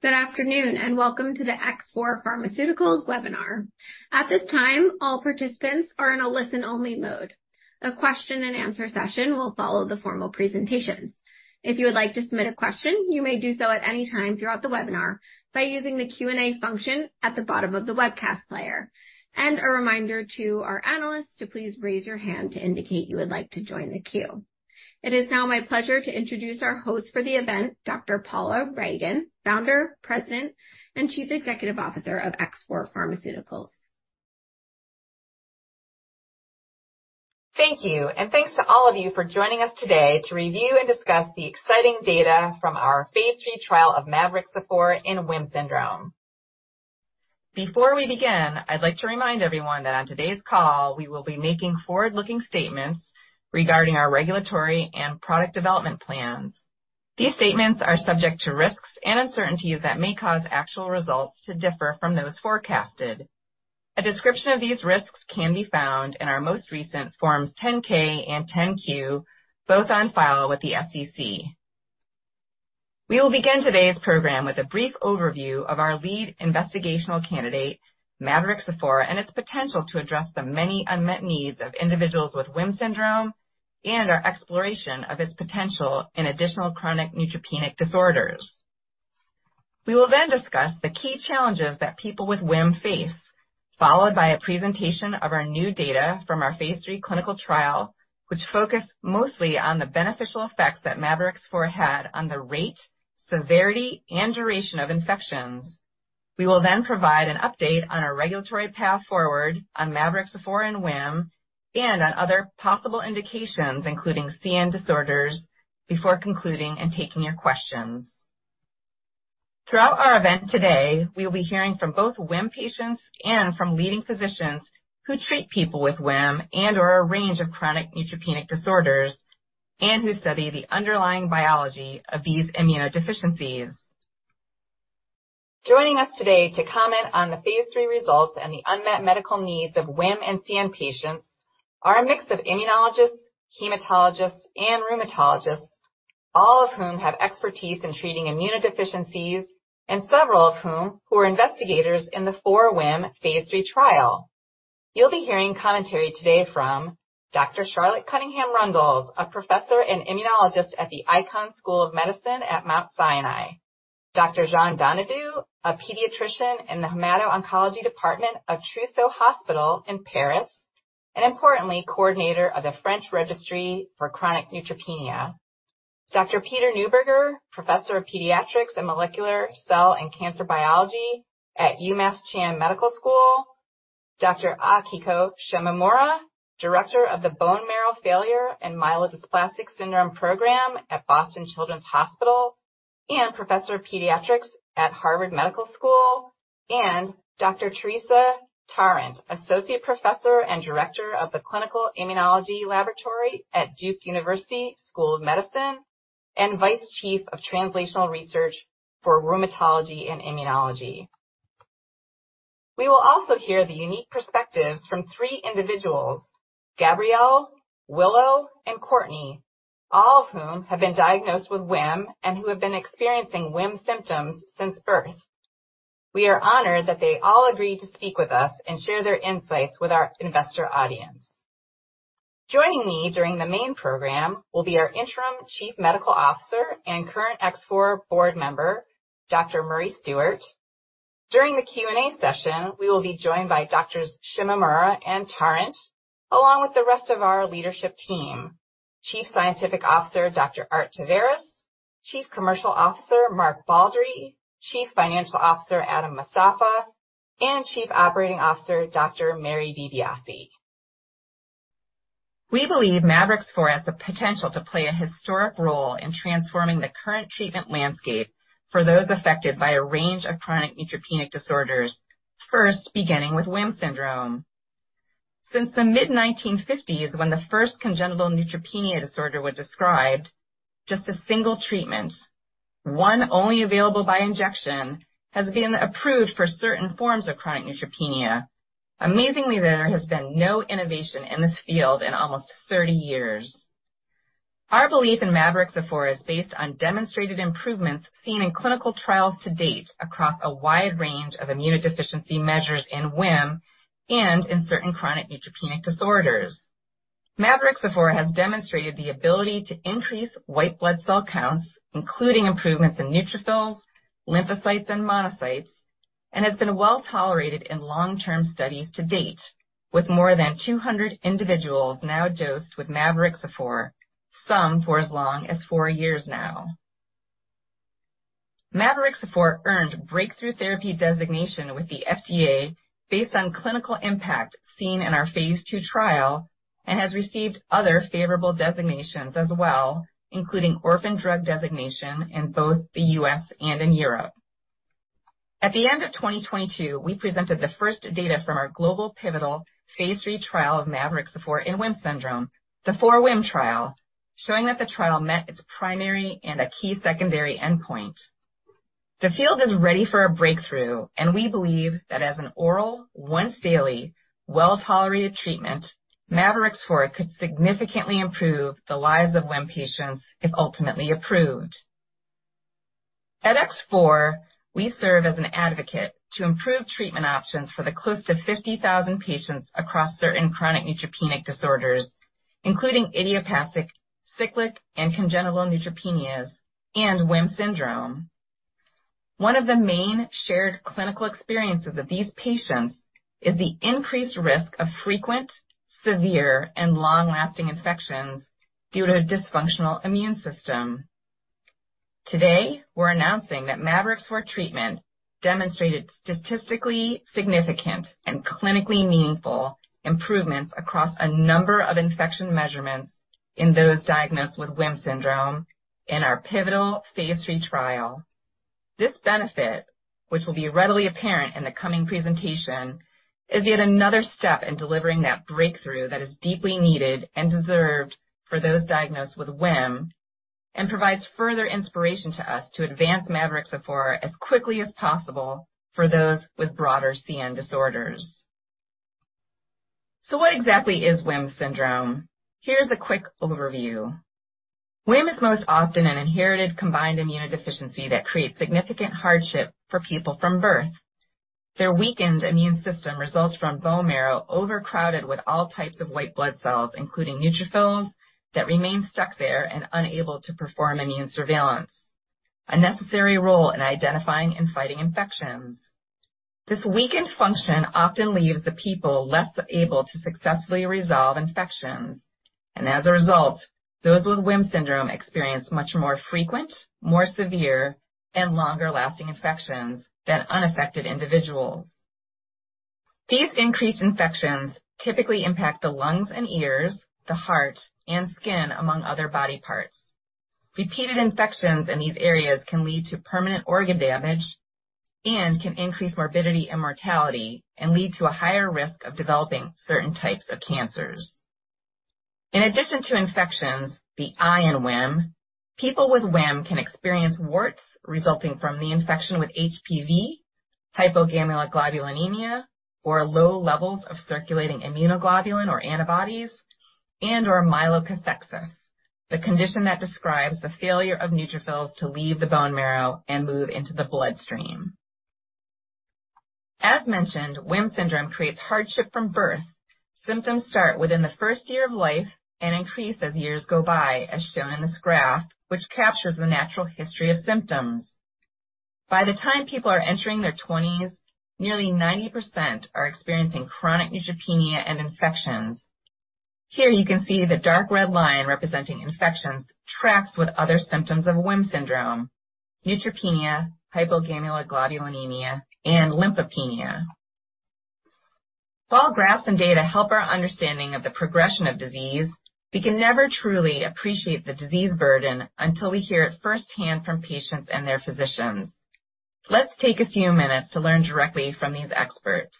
Good afternoon. Welcome to the X4 Pharmaceuticals webinar. At this time, all participants are in a listen-only mode. A question and answer session will follow the formal presentations. If you would like to submit a question, you may do so at any time throughout the webinar by using the Q&A function at the bottom of the webcast player. A reminder to our analysts to please raise your hand to indicate you would like to join the queue. It is now my pleasure to introduce our host for the event, Dr. Paula Ragan, Founder, President, and Chief Executive Officer of X4 Pharmaceuticals. Thank you. Thanks to all of you for joining us today to review and discuss the exciting data from our phase III trial of Mavorixafor in WHIM syndrome. Before we begin, I'd like to remind everyone that on today's call we will be making forward-looking statements regarding our regulatory and product development plans. These statements are subject to risks and uncertainties that may cause actual results to differ from those forecasted. A description of these risks can be found in our most recent Forms 10-K and 10-Q, both on file with the SEC. We will begin today's program with a brief overview of our lead investigational candidate, Mavorixafor, and its potential to address the many unmet needs of individuals with WHIM syndrome and our exploration of its potential in additional chronic neutropenic disorders. We will discuss the key challenges that people with WHIM face, followed by a presentation of our new data from our phase III clinical trial, which focused mostly on the beneficial effects that Mavorixafor had on the rate, severity, and duration of infections. We will provide an update on our regulatory path forward on Mavorixafor and WHIM, and on other possible indications, including CN disorders, before concluding and taking your questions. Throughout our event today, we will be hearing from both WHIM patients and from leading physicians who treat people with WHIM and/or a range of chronic neutropenic disorders and who study the underlying biology of these immunodeficiencies. Joining us today to comment on the phase III results and the unmet medical needs of WHIM and CN patients are a mix of immunologists, hematologists, and rheumatologists, all of whom have expertise in treating immunodeficiencies and several of whom are investigators in the 4WHIM phase III trial. You'll be hearing commentary today from Dr. Charlotte Cunningham-Rundles, a Professor and immunologist at the Icahn School of Medicine at Mount Sinai. Dr. Jean Donadieu, a pediatrician in the Hemato-Oncology Department of Trousseau Hospital in Paris, and importantly, coordinator of the French Registry for Chronic Neutropenia. Dr. Peter Newburger, Professor of Pediatrics and Molecular Cell and Cancer Biology at UMass Chan Medical School. Dr. Akiko Shimamura, Director of the Bone Marrow Failure and Myelodysplastic Syndrome Program at Boston Children's Hospital and Professor of Pediatrics at Harvard Medical School. And Dr. Teresa Tarrant, Associate Professor and Director of the Clinical Immunology Laboratory at Duke University School of Medicine, and Vice Chief of Translational Research for Rheumatology and Immunology. We will also hear the unique perspectives from three individuals Gabrielle, Willow, and Courtney, all of whom have been diagnosed with WHIM and who have been experiencing WHIM symptoms since birth. We are honored that they all agreed to speak with us and share their insights with our investor audience. Joining me during the main program will be our interim Chief Medical Officer and current X4 board member, Dr. Murray Stewart. During the Q&A session, we will be joined by Doctors Shimamura and Tarrant, along with the rest of our leadership team Chief Scientific Officer, Dr. Art Taveras, Chief Commercial Officer Mark Baldry, Chief Financial Officer Adam Mostafa, and Chief Operating Officer Dr. Mary DiBiase. We believe Mavorixafor has the potential to play a historic role in transforming the current treatment landscape for those affected by a range of chronic neutropenic disorders, first, beginning with WHIM syndrome. Since the mid-1950s, when the first congenital neutropenia disorder was described, just a single treatment, one only available by injection, has been approved for certain forms of chronic neutropenia. Amazingly, there has been no innovation in this field in almost 30 years. Our belief in Mavorixafor is based on demonstrated improvements seen in clinical trials to date across a wide range of immunodeficiency measures in WHIM and in certain chronic neutropenic disorders. Mavorixafor has demonstrated the ability to increase white blood cell counts, including improvements in neutrophils, lymphocytes, and monocytes, and has been well tolerated in long-term studies to date, with more than 200 individuals now dosed with Mavorixafor, some for as long as four years now. Mavorixafor earned breakthrough therapy designation with the FDA based on clinical impact seen in our phase II trial and has received other favorable designations as well, including orphan drug designation in both the U.S. and in Europe. At the end of 2022, we presented the first data from our global pivotal phase III trial of Mavorixafor in WHIM syndrome, the 4WHIM trial, showing that the trial met its primary and a key secondary endpoint. The field is ready for a breakthrough, and we believe that as an oral, once daily, well-tolerated treatment, Mavorixafor could significantly improve the lives of WHIM patients if ultimately approved. At X4, we serve as an advocate to improve treatment options for the close to 50,000 patients across certain chronic neutropenic disorders, including idiopathic, cyclic, and congenital neutropenias and WHIM syndrome. One of the main shared clinical experiences of these patients is the increased risk of frequent, severe, and long-lasting infections due to a dysfunctional immune system. Today, we're announcing that Mavorixafor treatment demonstrated statistically significant and clinically meaningful improvements across a number of infection measurements in those diagnosed with WHIM syndrome in our pivotal phase III trial. This benefit, which will be readily apparent in the coming presentation, is yet another step in delivering that breakthrough that is deeply needed and deserved for those diagnosed with WHIM and provides further inspiration to us to advance Mavorixafor as quickly as possible for those with broader CN disorders. What exactly is WHIM syndrome? Here's a quick overview. WHIM is most often an inherited combined immune deficiency that creates significant hardship for people from birth. Their weakened immune system results from bone marrow overcrowded with all types of white blood cells, including neutrophils, that remain stuck there and unable to perform immune surveillance, a necessary role in identifying and fighting infections. This weakened function often leaves the people less able to successfully resolve infections. As a result, those with WHIM syndrome experience much more frequent, more severe, and longer-lasting infections than unaffected individuals. These increased infections typically impact the lungs and ears, the heart and skin, among other body parts. Repeated infections in these areas can lead to permanent organ damage and can increase morbidity and mortality and lead to a higher risk of developing certain types of cancers. In addition to infections, the I in WHIM, people with WHIM can experience warts resulting from the infection with HPV, hypogammaglobulinemia, or low levels of circulating immunoglobulin or antibodies, and/or myelokathexis, the condition that describes the failure of neutrophils to leave the bone marrow and move into the bloodstream. As mentioned, WHIM syndrome creates hardship from birth. Symptoms start within the first year of life and increase as years go by, as shown in this graph, which captures the natural history of symptoms. By the time people are entering their twenties, nearly 90% are experiencing chronic neutropenia and infections. Here you can see the dark red line representing infections tracks with other symptoms of WHIM syndrome, neutropenia, hypogammaglobulinemia, and lymphopenia. While graphs and data help our understanding of the progression of disease, we can never truly appreciate the disease burden until we hear it firsthand from patients and their physicians. Let's take a few minutes to learn directly from these experts.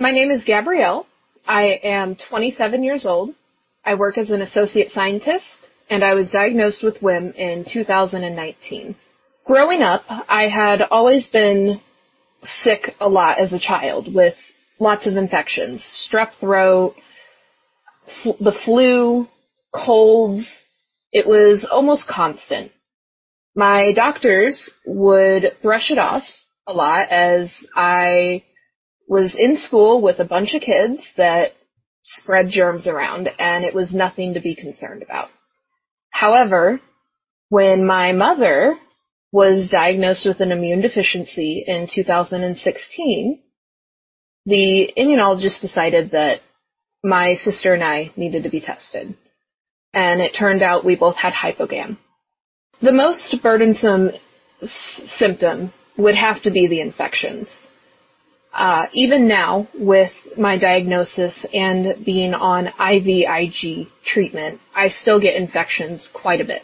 My name is Gabrielle. I am 27 years old. I work as an associate scientist. I was diagnosed with WHIM in 2019. Growing up, I had always been sick a lot as a child with lots of infections, strep throat, the flu, colds. It was almost constant. My doctors would brush it off a lot as I was in school with a bunch of kids that spread germs around. It was nothing to be concerned about. However, when my mother was diagnosed with an immune deficiency in 2016, the immunologist decided that my sister and I needed to be tested. It turned out we both had hypogam. The most burdensome symptom would have to be the infections. Even now, with my diagnosis and being on IVIG treatment, I still get infections quite a bit,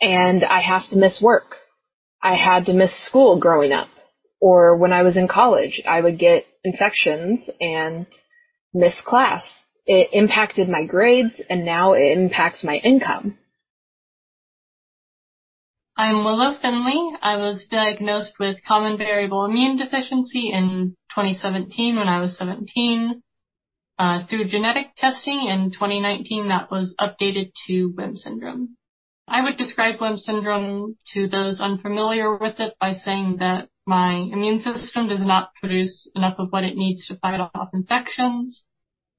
and I have to miss work. I had to miss school growing up, or when I was in college, I would get infections and miss class. It impacted my grades, now it impacts my income. I'm Willow Finley. I was diagnosed with Common Variable Immune Deficiency in 2017 when I was 17. Through genetic testing in 2019, that was updated to WHIM syndrome. I would describe WHIM syndrome to those unfamiliar with it by saying that my immune system does not produce enough of what it needs to fight off infections,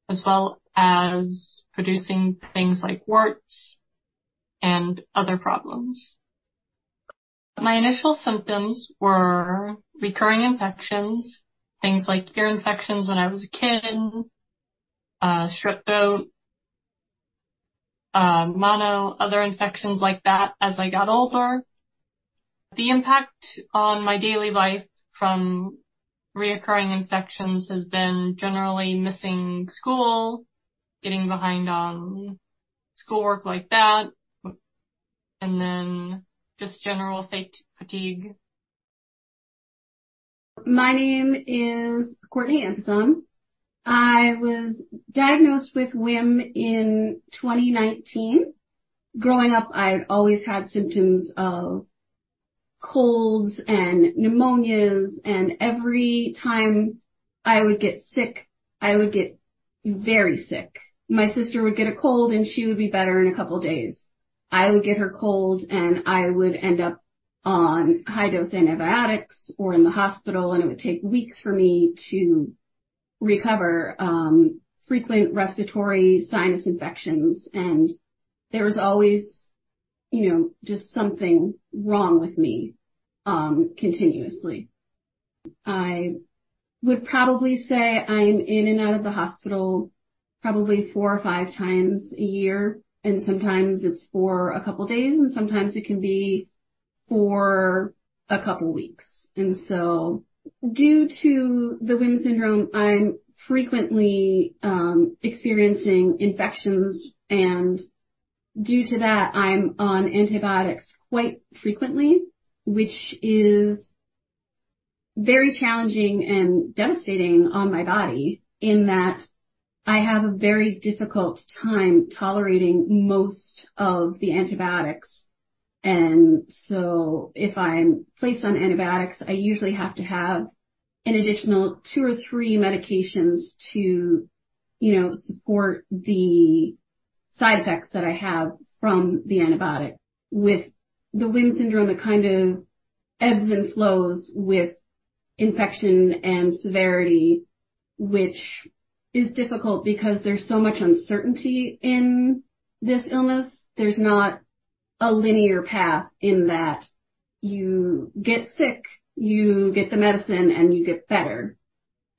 as well as producing things like warts and other problems. My initial symptoms were recurring infections, things like ear infections when I was a kid, strep throat, mono, other infections like that as I got older. The impact on my daily life from recurring infections has been generally missing school, getting behind on schoolwork like that, and then just general fatigue. My name is Courtney Anthem. I was diagnosed with WHIM in 2019. Growing up, I'd always had symptoms of Colds and pneumonias, and every time I would get sick, I would get very sick. My sister would get a cold, and she would be better in a couple of days. I would get her cold, and I would end up on high-dose antibiotics or in the hospital, and it would take weeks for me to recover. Frequent respiratory sinus infections, and there was always, you know, just something wrong with me, continuously. I would probably say I'm in and out of the hospital probably four or five times a year, and sometimes it's for a couple of days, and sometimes it can be for a couple of weeks. Due to the WHIM syndrome, I'm frequently experiencing infections and due to that, I'm on antibiotics quite frequently, which is very challenging and devastating on my body in that I have a very difficult time tolerating most of the antibiotics. If I'm placed on antibiotics, I usually have to have an additional two or three medications to, you know, support the side effects that I have from the antibiotic. With the WHIM syndrome, it kind of ebbs and flows with infection and severity, which is difficult because there's so much uncertainty in this illness. There's not a linear path in that you get sick, you get the medicine, and you get better.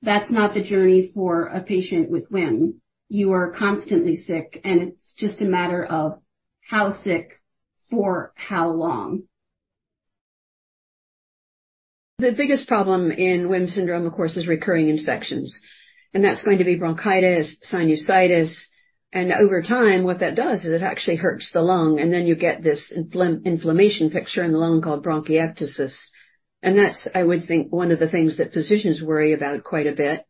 That's not the journey for a patient with WHIM. You are constantly sick, and it's just a matter of how sick for how long. The biggest problem in WHIM syndrome, of course, is recurring infections, that's going to be bronchitis, sinusitis. Over time, what that does is it actually hurts the lung, and then you get this inflammation picture in the lung called bronchiectasis. That's, I would think, one of the things that physicians worry about quite a bit.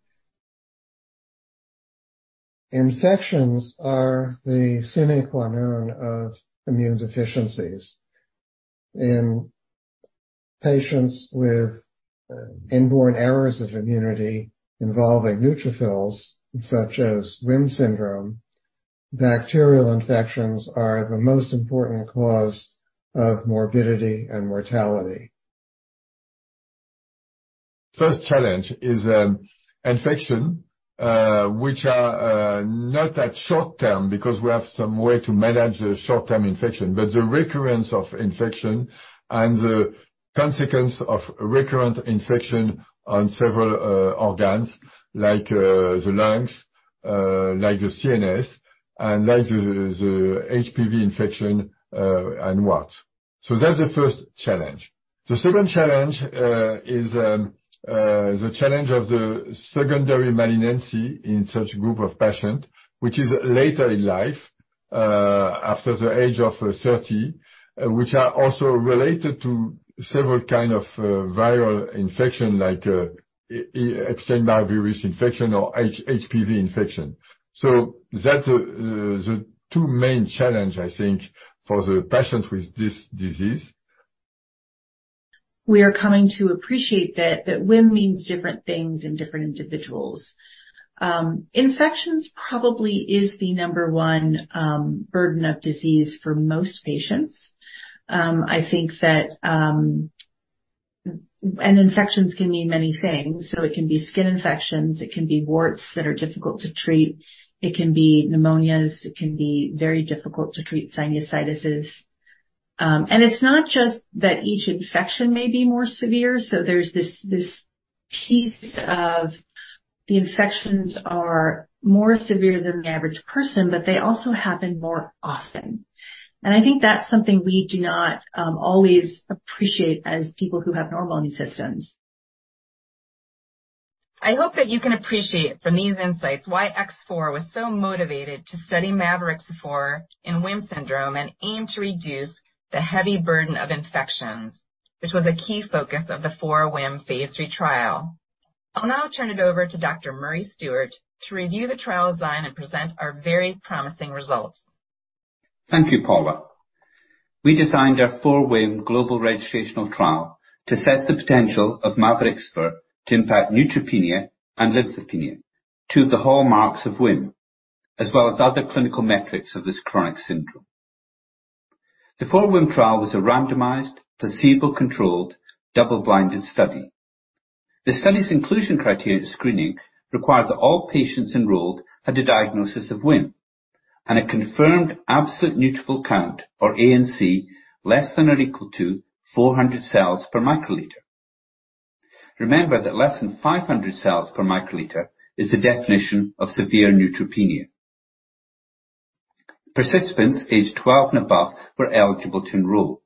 Infections are the sine qua non of immune deficiencies. In patients with inborn errors of immunity involving neutrophils, such as WHIM syndrome, bacterial infections are the most important cause of morbidity and mortality. First challenge is infection, which are not that short-term because we have some way to manage the short-term infection, but the recurrence of infection and the consequence of recurrent infection on several organs like the lungs, like the CNS and like the HPV infection, and warts. That's the first challenge. The second challenge is the challenge of the secondary malignancy in such group of patients, which is later in life, after the age of 30, which are also related to several kind of viral infection like Epstein-Barr virus infection or HPV infection. That's the two main challenge, I think, for the patients with this disease. We are coming to appreciate that WHIM means different things in different individuals. Infections probably is the number one burden of disease for most patients. I think that. Infections can mean many things. It can be skin infections, it can be warts that are difficult to treat, it can be pneumonias, it can be very difficult to treat sinusitises. It's not just that each infection may be more severe. So there's this piece of the infections are more severe than the average person, but they also happen more often. I think that's something we do not always appreciate as people who have normal immune systems. I hope that you can appreciate from these insights why X4 was so motivated to study Mavorixafor in WHIM syndrome and aim to reduce the heavy burden of infections, which was a key focus of the 4WHIM phase III trial. I'll now turn it over to Dr. Murray Stewart to review the trial design and present our very promising results. Thank you, Paula. We designed our 4WHIM global registrational trial to set the potential of Mavorixafor to impact neutropenia and lymphopenia, two of the hallmarks of WHIM, as well as other clinical metrics of this chronic syndrome. The 4WHIM trial was a randomized, placebo-controlled, double-blinded study. The study's inclusion criteria screening required that all patients enrolled had a diagnosis of WHIM and a confirmed absolute neutrophil count or ANC less than or equal to 400 cells per microliter. Remember that less than 500 cells per microliter is the definition of severe neutropenia. Participants aged 12 and above were eligible to enroll.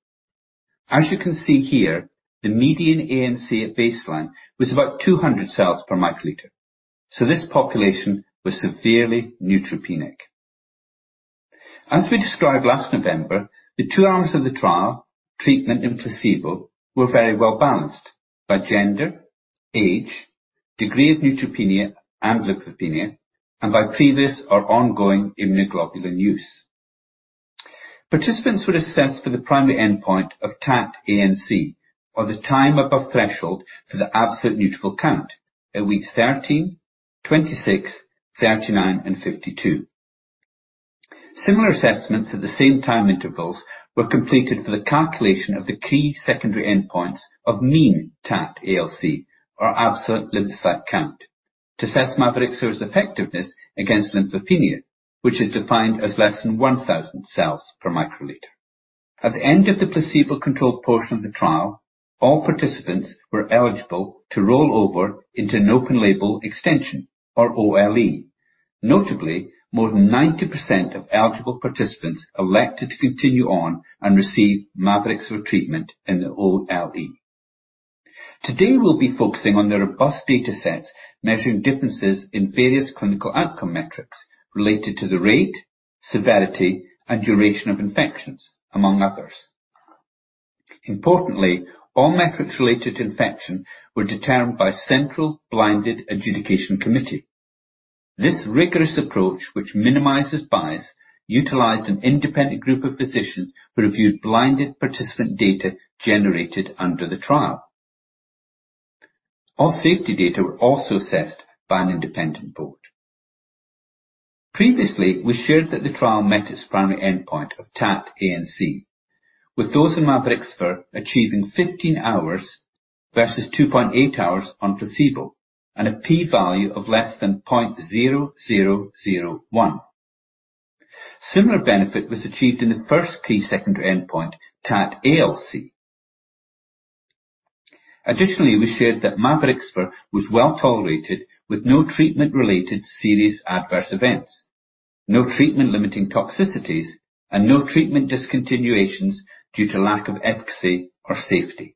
As you can see here, the median ANC at baseline was about 200 cells per microliter. This population was severely neutropenic. As we described last November, the two arms of the trial, treatment and placebo, were very well-balanced by gender, age, degree of neutropenia and lymphopenia, and by previous or ongoing immunoglobulin use. Participants were assessed for the primary endpoint of TAT-ANC or the time above threshold for the absolute neutrophil count at weeks 13, 26, 39, and 52. Similar assessments at the same time intervals were completed for the calculation of the key secondary endpoints of mean TAT-ALC or absolute lymphocyte count to assess Mavorixafor's effectiveness against lymphopenia, which is defined as less than 1,000 cells per microliter. At the end of the placebo-controlled portion of the trial, all participants were eligible to roll over into an open-label extension or OLE. Notably, more than 90% of eligible participants elected to continue on and receive Mavorixafor treatment in the OLE. Today, we'll be focusing on the robust datasets measuring differences in various clinical outcome metrics related to the rate, severity, and duration of infections, among others. Importantly, all metrics related to infection were determined by central blinded adjudication committee. This rigorous approach, which minimizes bias, utilized an independent group of physicians who reviewed blinded participant data generated under the trial. All safety data were also assessed by an independent board. Previously, we shared that the trial met its primary endpoint of TAT-ANC, with those in Mavorixafor achieving 15 hours versus 2.8 hours on placebo and a p-value of less than 0.0001. Similar benefit was achieved in the first key secondary endpoint, TAT-ALC. We shared that Mavorixafor was well-tolerated with no treatment-related serious adverse events, no treatment-limiting toxicities, and no treatment discontinuations due to lack of efficacy or safety.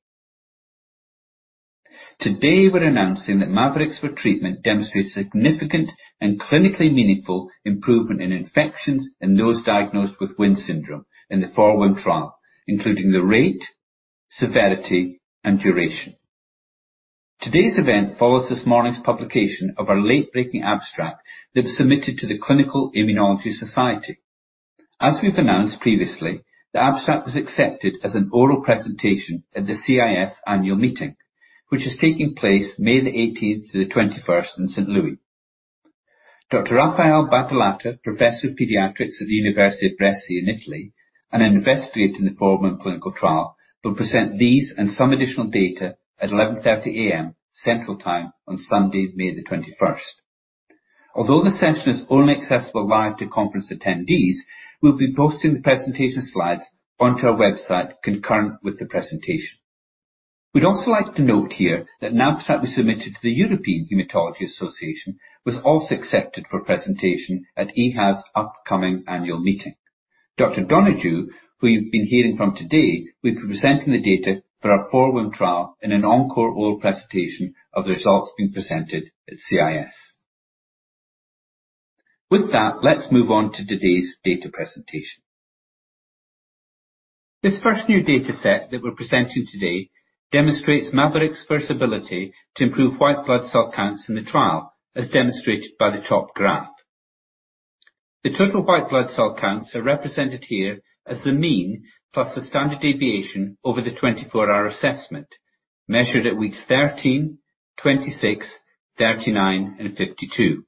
Today, we're announcing that Mavorixafor treatment demonstrated significant and clinically meaningful improvement in infections in those diagnosed with WHIM syndrome in the 4WHIM trial, including the rate, severity, and duration. Today's event follows this morning's publication of our late-breaking abstract that was submitted to the Clinical Immunology Society. As we've announced previously, the abstract was accepted as an oral presentation at the CIS annual meeting, which is taking place May 18th through the 21st in St. Louis. Dr. Raffaele Badolato, Professor of Pediatrics at the University of Brescia in Italy and an investigator in the 4WHIM clinical trial, will present these and some additional data at 11:30 A.M. Central Time on Sunday, May 21st. Although the session is only accessible live to conference attendees, we'll be posting the presentation slides onto our website concurrent with the presentation. We'd also like to note here that an abstract we submitted to the European Hematology Association was also accepted for presentation at EHA's upcoming annual meeting. Dr. Donadieu, who you've been hearing from today, will be presenting the data for our 4WHIM trial in an encore oral presentation of the results being presented at CIS. With that, let's move on to today's data presentation. This first new dataset that we're presenting today demonstrates mavorixafor's ability to improve white blood cell counts in the trial, as demonstrated by the top graph. The total white blood cell counts are represented here as the mean plus the standard deviation over the 24-hour assessment measured at weeks 13, 26, 39, and 52.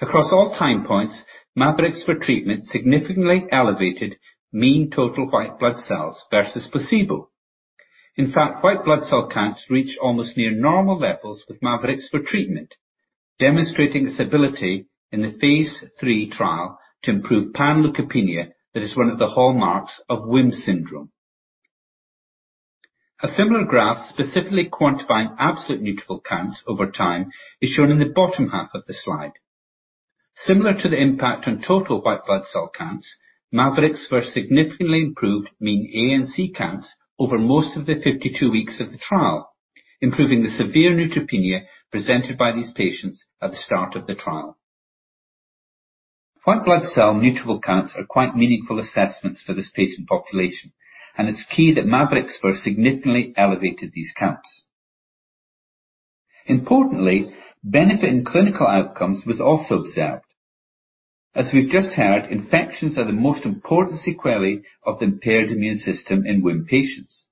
Across all time points, mavorixafor treatment significantly elevated mean total white blood cells versus placebo. In fact, white blood cell counts reached almost near normal levels with Mavorixafor treatment, demonstrating its ability in the phase III trial to improve panleukopenia that is one of the hallmarks of WHIM syndrome. A similar graph specifically quantifying absolute neutrophil counts over time is shown in the bottom half of the slide. Similar to the impact on total white blood cell counts, Mavorixafor significantly improved mean ANC counts over most of the 52 weeks of the trial, improving the severe neutropenia presented by these patients at the start of the trial. White blood cell neutrophil counts are quite meaningful assessments for this patient population, and it's key that Mavorixafor significantly elevated these counts. Importantly, benefit in clinical outcomes was also observed. As we've just heard, infections are the most important sequelae of the impaired immune system in WHIM patients.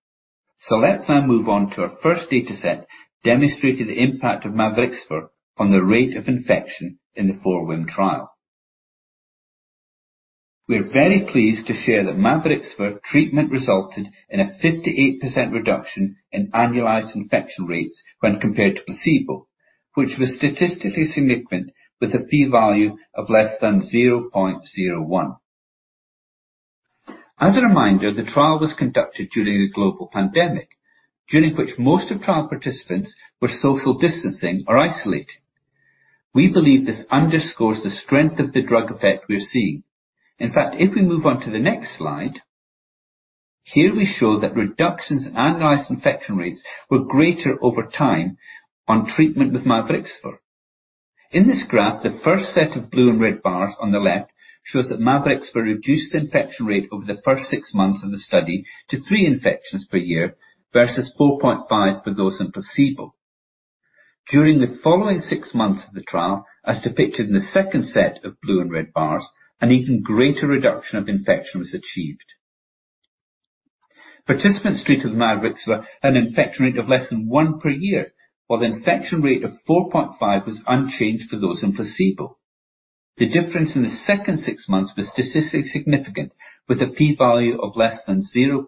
Let's now move on to our first dataset demonstrating the impact of Mavorixafor on the rate of infection in the 4WHIM trial. We're very pleased to share that Mavorixafor treatment resulted in a 58% reduction in annualized infection rates when compared to placebo, which was statistically significant with a p-value of less than 0.01. As a reminder, the trial was conducted during a global pandemic, during which most of trial participants were social distancing or isolating. We believe this underscores the strength of the drug effect we are seeing. In fact, if we move on to the next slide, here we show that reductions in annualized infection rates were greater over time on treatment with Mavorixafor. In this graph, the first set of blue and red bars on the left shows that Mavorixafor reduced the infection rate over the first six months of the study to three infections per year versus four point five for those on placebo. During the following six months of the trial, as depicted in the second set of blue and red bars, an even greater reduction of infection was achieved. Participants treated with Mavorixafor had an infection rate of less than one per year, while the infection rate of four point five was unchanged for those in placebo. The difference in the second six months was statistically significant, with a P-value of < 0.005.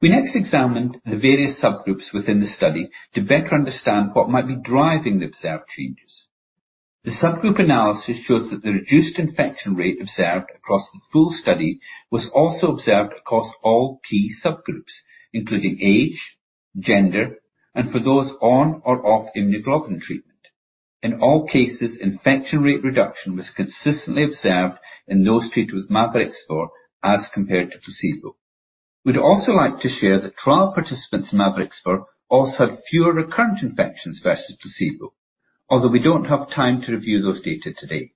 We next examined the various subgroups within the study to better understand what might be driving the observed changes. The subgroup analysis shows that the reduced infection rate observed across the full study was also observed across all key subgroups, including age, gender, and for those on or off immunoglobulin treatment. In all cases, infection rate reduction was consistently observed in those treated with Mavorixafor as compared to placebo. We'd also like to share that trial participants in Mavorixafor also had fewer recurrent infections versus placebo, although we don't have time to review those data today.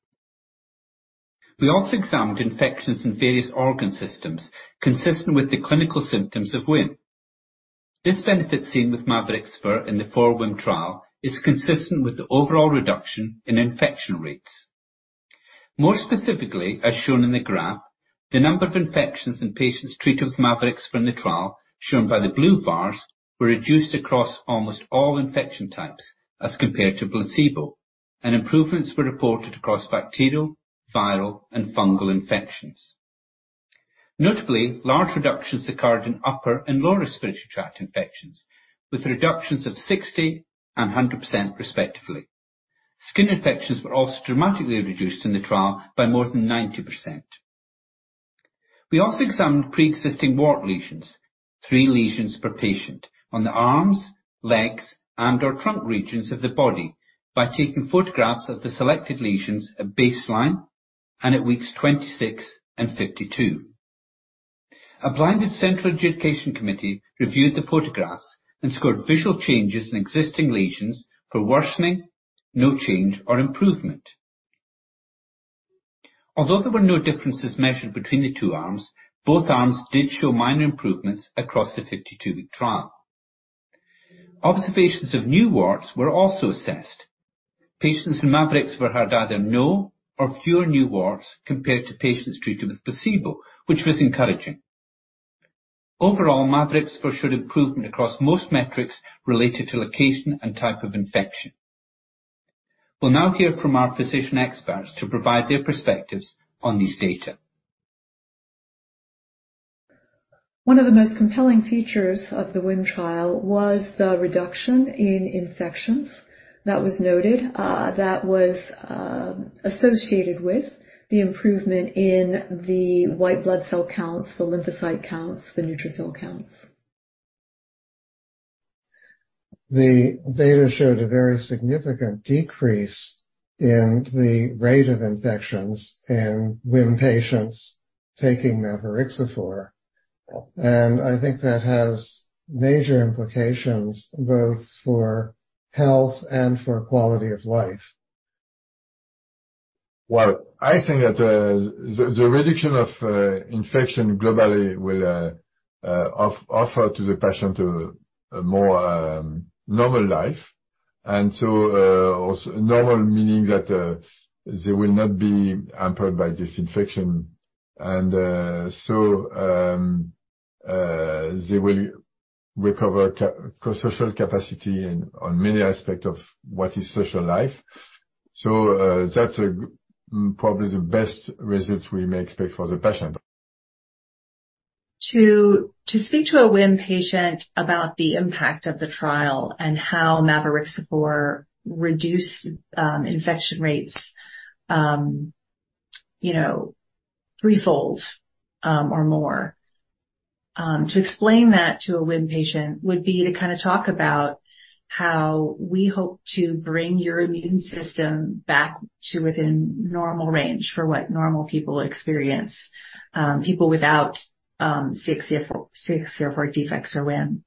We also examined infections in various organ systems consistent with the clinical symptoms of WHIM. This benefit seen with Mavorixafor in the 4WHIM trial is consistent with the overall reduction in infection rates. More specifically, as shown in the graph, the number of infections in patients treated with mavorixafor in the trial, shown by the blue bars, were reduced across almost all infection types as compared to placebo, and improvements were reported across bacterial, viral, and fungal infections. Notably, large reductions occurred in upper and lower respiratory tract infections, with reductions of 60% and 100% respectively. Skin infections were also dramatically reduced in the trial by more than 90%. We also examined pre-existing wart lesions, three lesions per patient, on the arms, legs, and/or trunk regions of the body by taking photographs of the selected lesions at baseline and at weeks 26 and 52. A blinded central adjudication committee reviewed the photographs and scored visual changes in existing lesions for worsening, no change, or improvement. Although there were no differences measured between the two arms, both arms did show minor improvements across the 52-week trial. Observations of new warts were also assessed. Patients in mavorixafor had either no or fewer new warts compared to patients treated with placebo, which was encouraging. Overall, mavorixafor showed improvement across most metrics related to location and type of infection. We'll now hear from our physician experts to provide their perspectives on these data. One of the most compelling features of the WHIM trial was the reduction in infections that was noted, that was associated with the improvement in the white blood cell counts, the lymphocyte counts, the neutrophil counts. The data showed a very significant decrease in the rate of infections in WHIM patients taking Mavorixafor. I think that has major implications both for health and for quality of life. Well, I think that the reduction of infection globally will offer to the patient a more normal life. Also normal meaning that they will not be hampered by this infection. So they will recover social capacity in on many aspect of what is social life. That's probably the best results we may expect for the patient. To speak to a WHIM patient about the impact of the trial and how Mavorixafor reduced infection rates, you know, three-fold or more, to explain that to a WHIM patient would be to kinda talk about how we hope to bring your immune system back to within normal range for what normal people experience, people without CXCR4 defects or WHIM.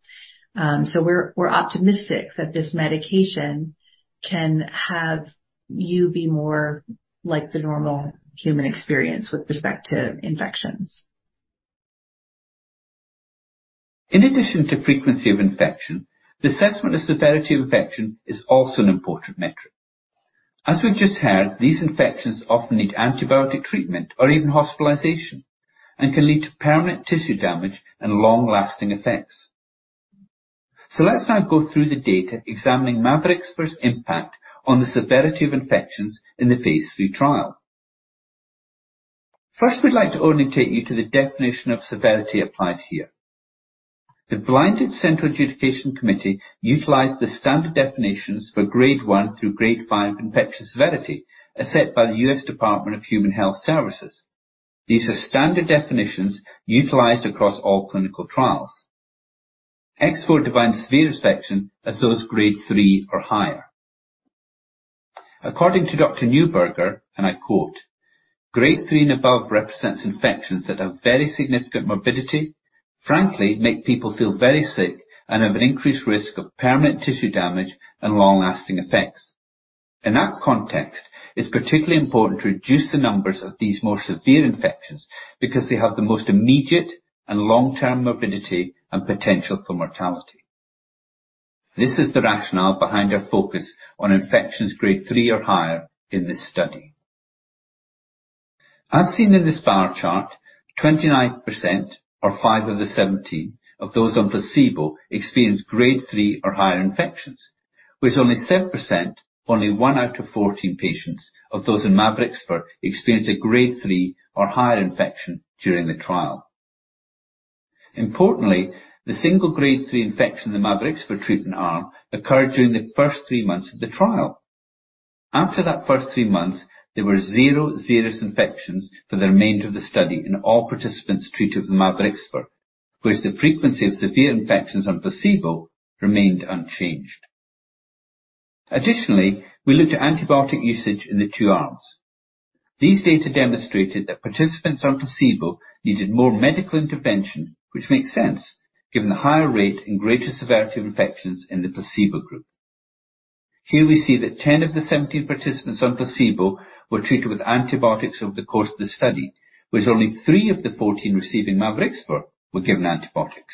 We're optimistic that this medication can have you be more like the normal human experience with respect to infections. In addition to frequency of infection, the assessment of severity of infection is also an important metric. As we've just heard, these infections often need antibiotic treatment or even hospitalization and can lead to permanent tissue damage and long-lasting effects. Let's now go through the data examining Mavorixafor's impact on the severity of infections in the phase III trial. First, we'd like to orient you to the definition of severity applied here. The blinded central adjudication committee utilized the standard definitions for grade 1 through grade 5 infection severity as set by the U.S. Department of Health and Human Services. These are standard definitions utilized across all clinical trials. X4 defined severe infection as those grade 3 or higher. According to Dr. Newburger, I quote, "Grade 3 and above represents infections that have very significant morbidity, frankly, make people feel very sick, and have an increased risk of permanent tissue damage and long-lasting effects." In that context, it's particularly important to reduce the numbers of these more severe infections because they have the most immediate and long-term morbidity and potential for mortality. This is the rationale behind our focus on infections grade 3 or higher in this study. As seen in this bar chart, 29% or 5 of the 17 of those on placebo experienced grade 3 or higher infections, with only 7%, only one out of 14 patients of those in mavorixafor experienced a grade 3 or higher infection during the trial. Importantly, the single grade 3 infection in the mavorixafor treatment arm occurred during the first three months of the trial. After that first three months, there were zero serious infections for the remainder of the study in all participants treated with Mavorixafor, whereas the frequency of severe infections on placebo remained unchanged. Additionally, we looked at antibiotic usage in the two arms. These data demonstrated that participants on placebo needed more medical intervention, which makes sense given the higher rate and greater severity of infections in the placebo group. Here we see that 10 of the 17 participants on placebo were treated with antibiotics over the course of the study, whereas only three of the 14 receiving Mavorixafor were given antibiotics.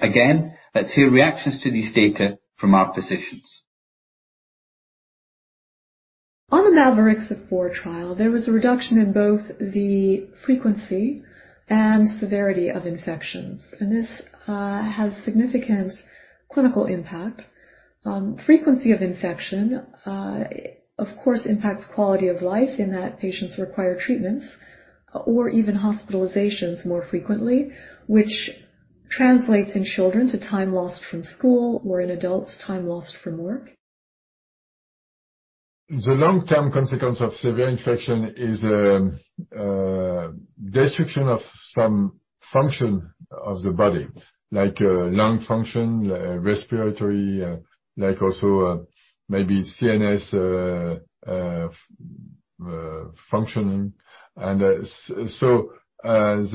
Again, let's hear reactions to these data from our physicians. On the Mavorixafor trial, there was a reduction in both the frequency and severity of infections. This has significant clinical impact. Frequency of infection, of course, impacts quality of life in that patients require treatments or even hospitalizations more frequently, which translates in children to time lost from school or in adults, time lost from work. The long-term consequence of severe infection is destruction of some function of the body, like lung function, respiratory, like also, maybe CNS functioning and so as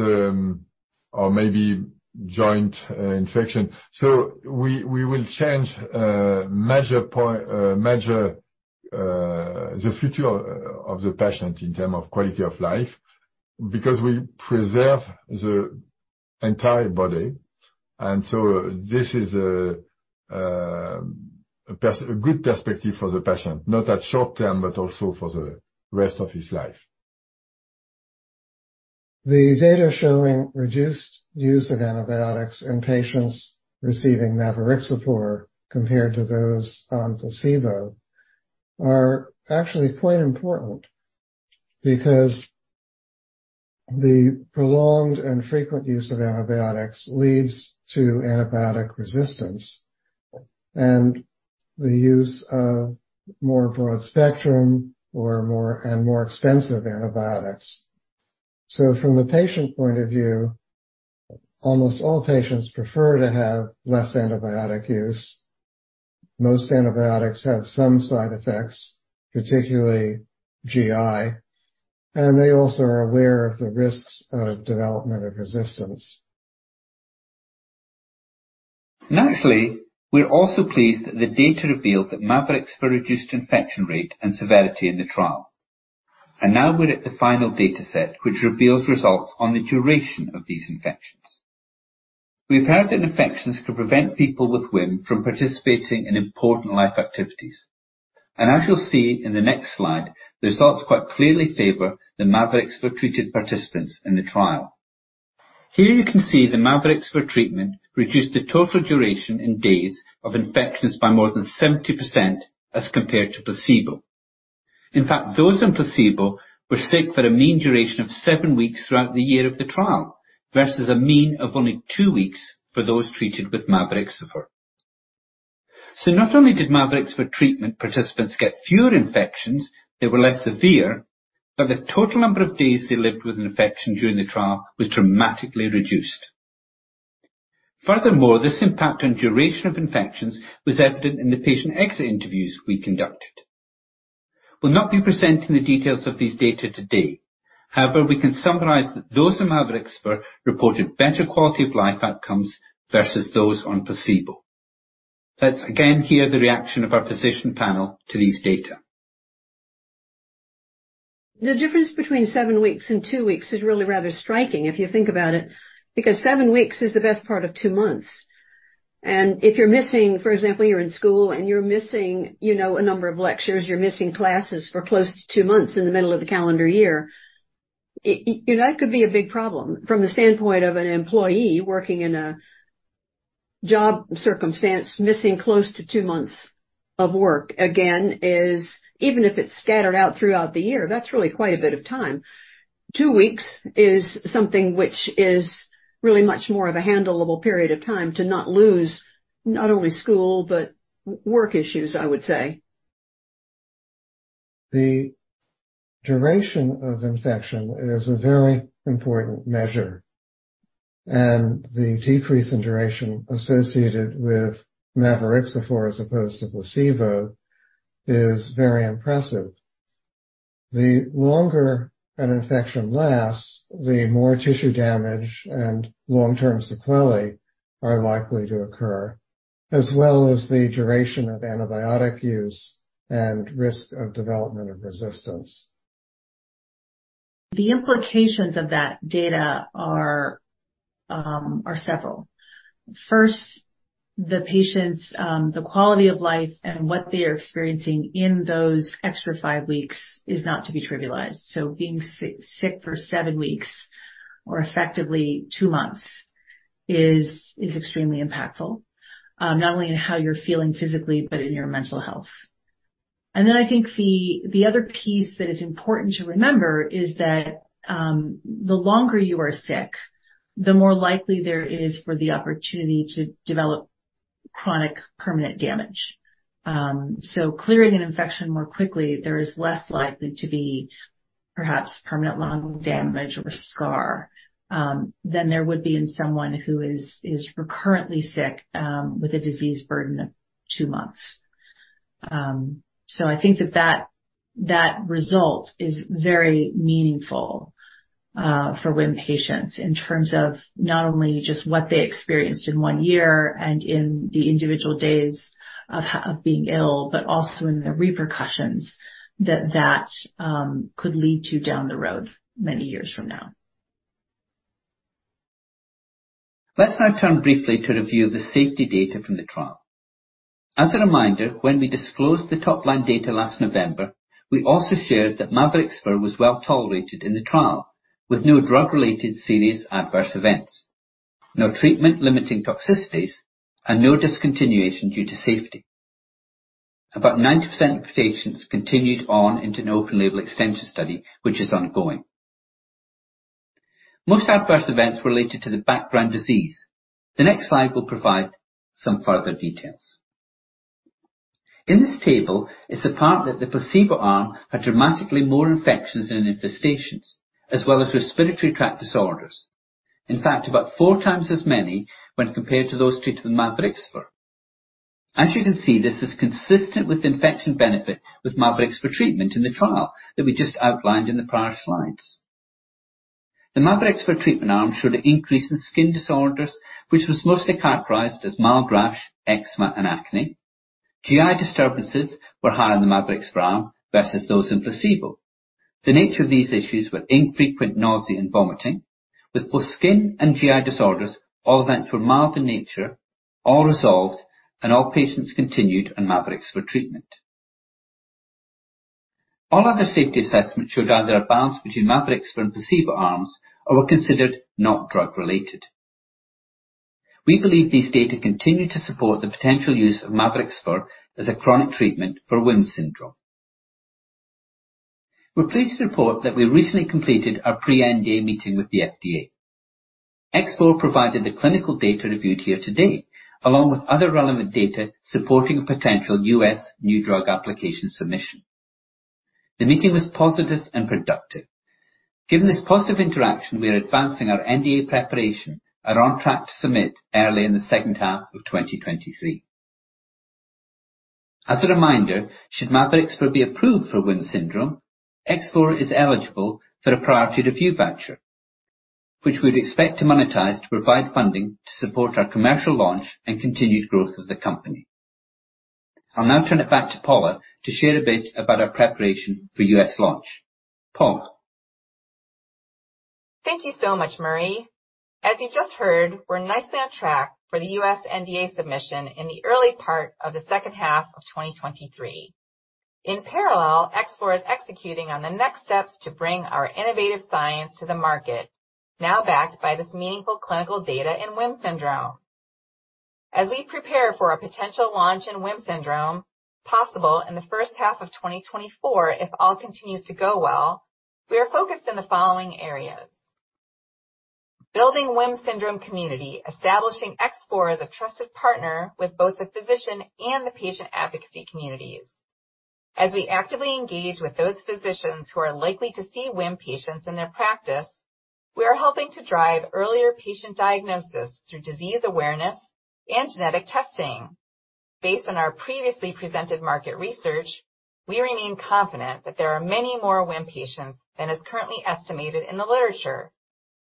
or maybe joint infection. We, we will change major, the future of the patient in term of quality of life because we preserve the entire body. This is a good perspective for the patient, not at short-term, but also for the rest of his life. The data showing reduced use of antibiotics in patients receiving Mavorixafor compared to those on placebo are actually quite important because the prolonged and frequent use of antibiotics leads to antibiotic resistance and the use of more broad-spectrum or more, and more expensive antibiotics. From the patient point of view, almost all patients prefer to have less antibiotic use. Most antibiotics have some side effects, particularly GI, and they also are aware of the risks of development of resistance. Naturally, we're also pleased that the data revealed that Mavorixafor reduced infection rate and severity in the trial. Now we're at the final data set, which reveals results on the duration of these infections. We've heard that infections can prevent people with WHIM from participating in important life activities. As you'll see in the next slide, the results quite clearly favor the Mavorixafor-treated participants in the trial. Here you can see the Mavorixafor treatment reduced the total duration in days of infections by more than 70% as compared to placebo. In fact, those on placebo were sick for a mean duration of seven weeks throughout the year of the trial versus a mean of only two weeks for those treated with Mavorixafor. Not only did Mavorixafor treatment participants get fewer infections that were less severe, but the total number of days they lived with an infection during the trial was dramatically reduced. This impact on duration of infections was evident in the patient exit interviews we conducted. We'll not be presenting the details of these data today. We can summarize that those on Mavorixafor reported better quality of life outcomes versus those on placebo. Let's again hear the reaction of our physician panel to these data. The difference between seven weeks and two weeks is really rather striking if you think about it, because seven weeks is the best part of two months. If you're missing, for example, you're in school and you're missing, you know, a number of lectures, you're missing classes for close to two months in the middle of the calendar year, that could be a big problem. From the standpoint of an employee working in a job circumstance, missing close to two months of work, again, is even if it's scattered out throughout the year, that's really quite a bit of time. two weeks is something which is really much more of a handleable period of time to not lose, not only school, but work issues, I would say. The duration of infection is a very important measure. The decrease in duration associated with Mavorixafor as opposed to placebo is very impressive. The longer an infection lasts, the more tissue damage and long-term sequelae are likely to occur, as well as the duration of antibiotic use and risk of development of resistance. The implications of that data are several. First, the patient's quality of life and what they are experiencing in those extra five weeks is not to be trivialized. Being sick for seven weeks or effectively two months is extremely impactful, not only in how you're feeling physically but in your mental health. I think the other piece that is important to remember is that the longer you are sick, the more likely there is for the opportunity to develop chronic permanent damage. Clearing an infection more quickly, there is less likely to be perhaps permanent lung damage or scar than there would be in someone who is recurrently sick with a disease burden of two months. I think that result is very meaningful for WHIM patients in terms of not only just what they experienced in one year and in the individual days of being ill, but also in the repercussions that could lead to down the road many years from now. Let's now turn briefly to review the safety data from the trial. As a reminder, when we disclosed the top-line data last November, we also shared that Mavorixafor was well-tolerated in the trial, with no drug-related serious adverse events, no treatment-limiting toxicities, and no discontinuation due to safety. About 90% of patients continued on into an open-label extension study, which is ongoing. Most adverse events related to the background disease. The next slide will provide some further details. In this table, it's apparent that the placebo arm had dramatically more infections and infestations, as well as respiratory tract disorders. In fact, about four times as many when compared to those treated with Mavorixafor. As you can see, this is consistent with infection benefit with Mavorixafor treatment in the trial that we just outlined in the prior slides. The Mavorixafor treatment arm showed an increase in skin disorders, which was mostly characterized as mild rash, eczema, and acne. GI disturbances were higher in the Mavorixafor arm versus those in placebo. The nature of these issues were infrequent nausea and vomiting. With both skin and GI disorders, all events were mild in nature, all resolved, and all patients continued on Mavorixafor treatment. All other safety assessments showed either a balance between Mavorixafor and placebo arms or were considered not drug-related. We believe these data continue to support the potential use of Mavorixafor as a chronic treatment for WHIM syndrome. We're pleased to report that we recently completed our pre-NDA meeting with the FDA. X4 provided the clinical data reviewed here today, along with other relevant data supporting a potential U.S. new drug application submission. The meeting was positive and productive. Given this positive interaction, we are advancing our NDA preparation and are on track to submit early in the second half of 2023. As a reminder, should Mavorixafor be approved for WHIM syndrome, X4 Pharmaceuticals is eligible for a priority review voucher, which we'd expect to monetize to provide funding to support our commercial launch and continued growth of the company. I'll now turn it back to Paula to share a bit about our preparation for US launch. Paula. Thank you so much, Murray. As you just heard, we're nicely on track for the U.S. NDA submission in the early part of the second half of 2023. In parallel, X4 is executing on the next steps to bring our innovative science to the market, now backed by this meaningful clinical data in WHIM syndrome. As we prepare for a potential launch in WHIM syndrome, possible in the first half of 2024 if all continues to go well, we are focused in the following areas. Building WHIM syndrome community, establishing X4 as a trusted partner with both the physician and the patient advocacy communities. As we actively engage with those physicians who are likely to see WHIM patients in their practice, we are helping to drive earlier patient diagnosis through disease awareness and genetic testing. Based on our previously presented market research, we remain confident that there are many more WHIM patients than is currently estimated in the literature.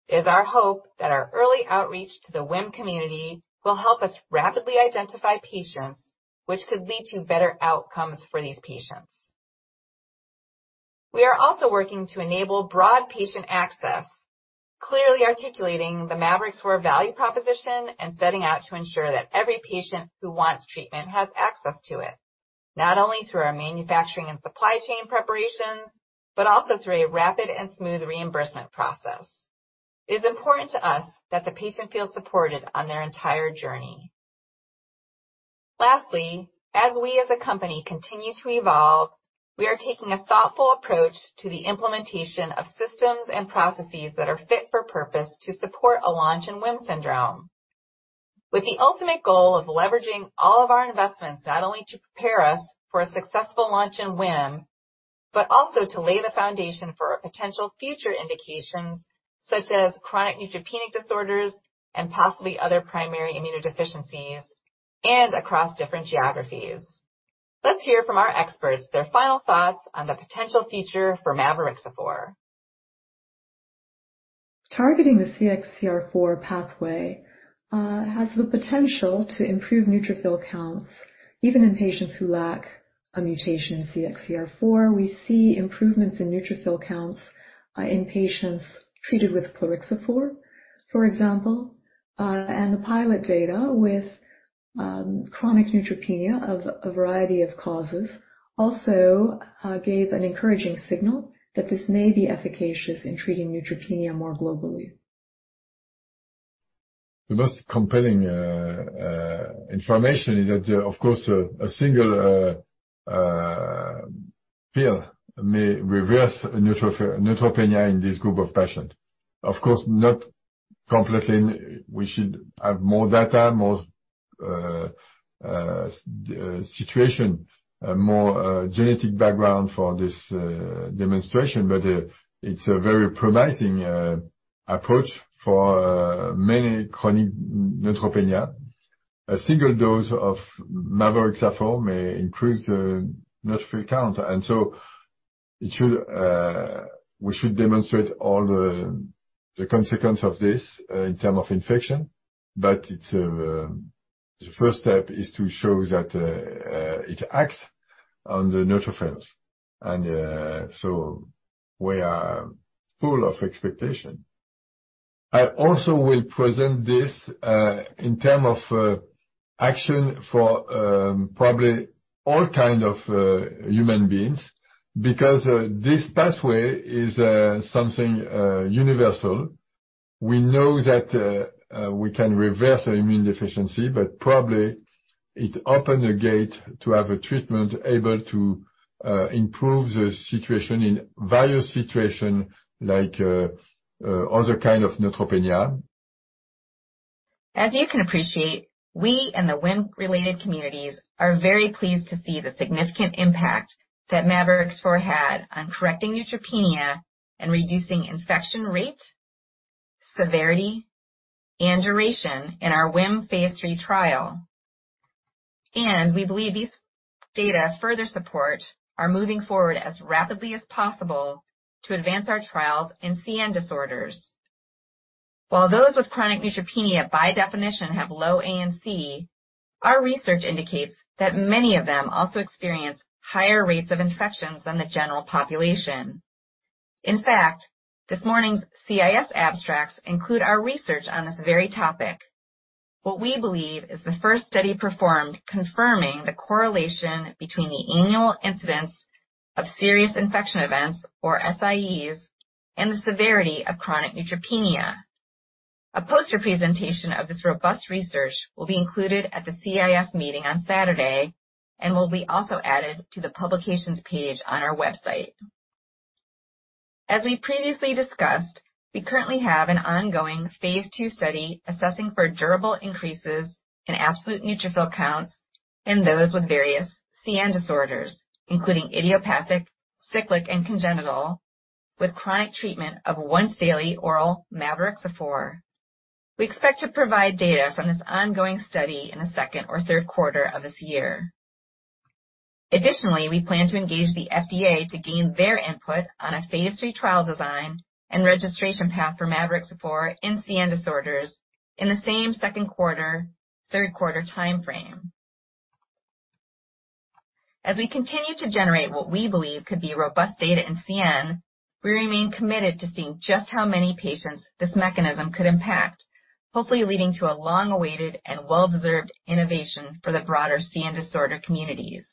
It is our hope that our early outreach to the WHIM community will help us rapidly identify patients, which could lead to better outcomes for these patients. We are also working to enable broad patient access, clearly articulating the Mavorixafor value proposition and setting out to ensure that every patient who wants treatment has access to it, not only through our manufacturing and supply chain preparations, but also through a rapid and smooth reimbursement process. It is important to us that the patient feels supported on their entire journey. Lastly, as we as a company continue to evolve, we are taking a thoughtful approach to the implementation of systems and processes that are fit for purpose to support a launch in WHIM syndrome. With the ultimate goal of leveraging all of our investments, not only to prepare us for a successful launch in WHIM, but also to lay the foundation for our potential future indications, such as chronic neutropenic disorders and possibly other primary immunodeficiencies. Across different geographies. Let's hear from our experts their final thoughts on the potential future for Mavorixafor. Targeting the CXCR4 pathway has the potential to improve neutrophil counts, even in patients who lack a mutation in CXCR4. We see improvements in neutrophil counts in patients treated with plerixafor, for example. The pilot data with chronic neutropenia of a variety of causes also gave an encouraging signal that this may be efficacious in treating neutropenia more globally. The most compelling information is that, of course, a single pill may reverse neutropenia in this group of patients. Of course, not completely. We should have more data, more situation, more genetic background for this demonstration. It's a very promising approach for many chronic neutropenia. A single dose of mavorixafor may improve the neutrophil count. We should demonstrate all the consequence of this in term of infection. It's the first step is to show that it acts on the neutrophils. We are full of expectation. I also will present this in term of action for probably all kind of human beings, because this pathway is something universal. We know that we can reverse immune deficiency. Probably it open the gate to have a treatment able to improve the situation in various situation like other kind of neutropenia. As you can appreciate, we and the WHIM-related communities are very pleased to see the significant impact that mavorixafor had on correcting neutropenia and reducing infection rate, severity, and duration in our WHIM phase III trial. We believe these data further support are moving forward as rapidly as possible to advance our trials in CN disorders. While those with chronic neutropenia by definition have low ANC, our research indicates that many of them also experience higher rates of infections than the general population. In fact, this morning's CIS abstracts include our research on this very topic. What we believe is the first study performed confirming the correlation between the annual incidence of serious infectious events, or SIEs, and the severity of chronic neutropenia. A poster presentation of this robust research will be included at the CIS meeting on Saturday and will be also added to the publications page on our website. As we previously discussed, we currently have an ongoing phase II study assessing for durable increases in absolute neutrophil counts in those with various CN disorders, including idiopathic, cyclic, and congenital, with chronic treatment of once-daily oral mavorixafor. We expect to provide data from this ongoing study in the second or third quarter of this year. Additionally, we plan to engage the FDA to gain their input on a phase III trial design and registration path for mavorixafor in CN disorders in the same second quarter, third quarter timeframe. As we continue to generate what we believe could be robust data in CN, we remain committed to seeing just how many patients this mechanism could impact, hopefully leading to a long-awaited and well-deserved innovation for the broader CN disorder communities.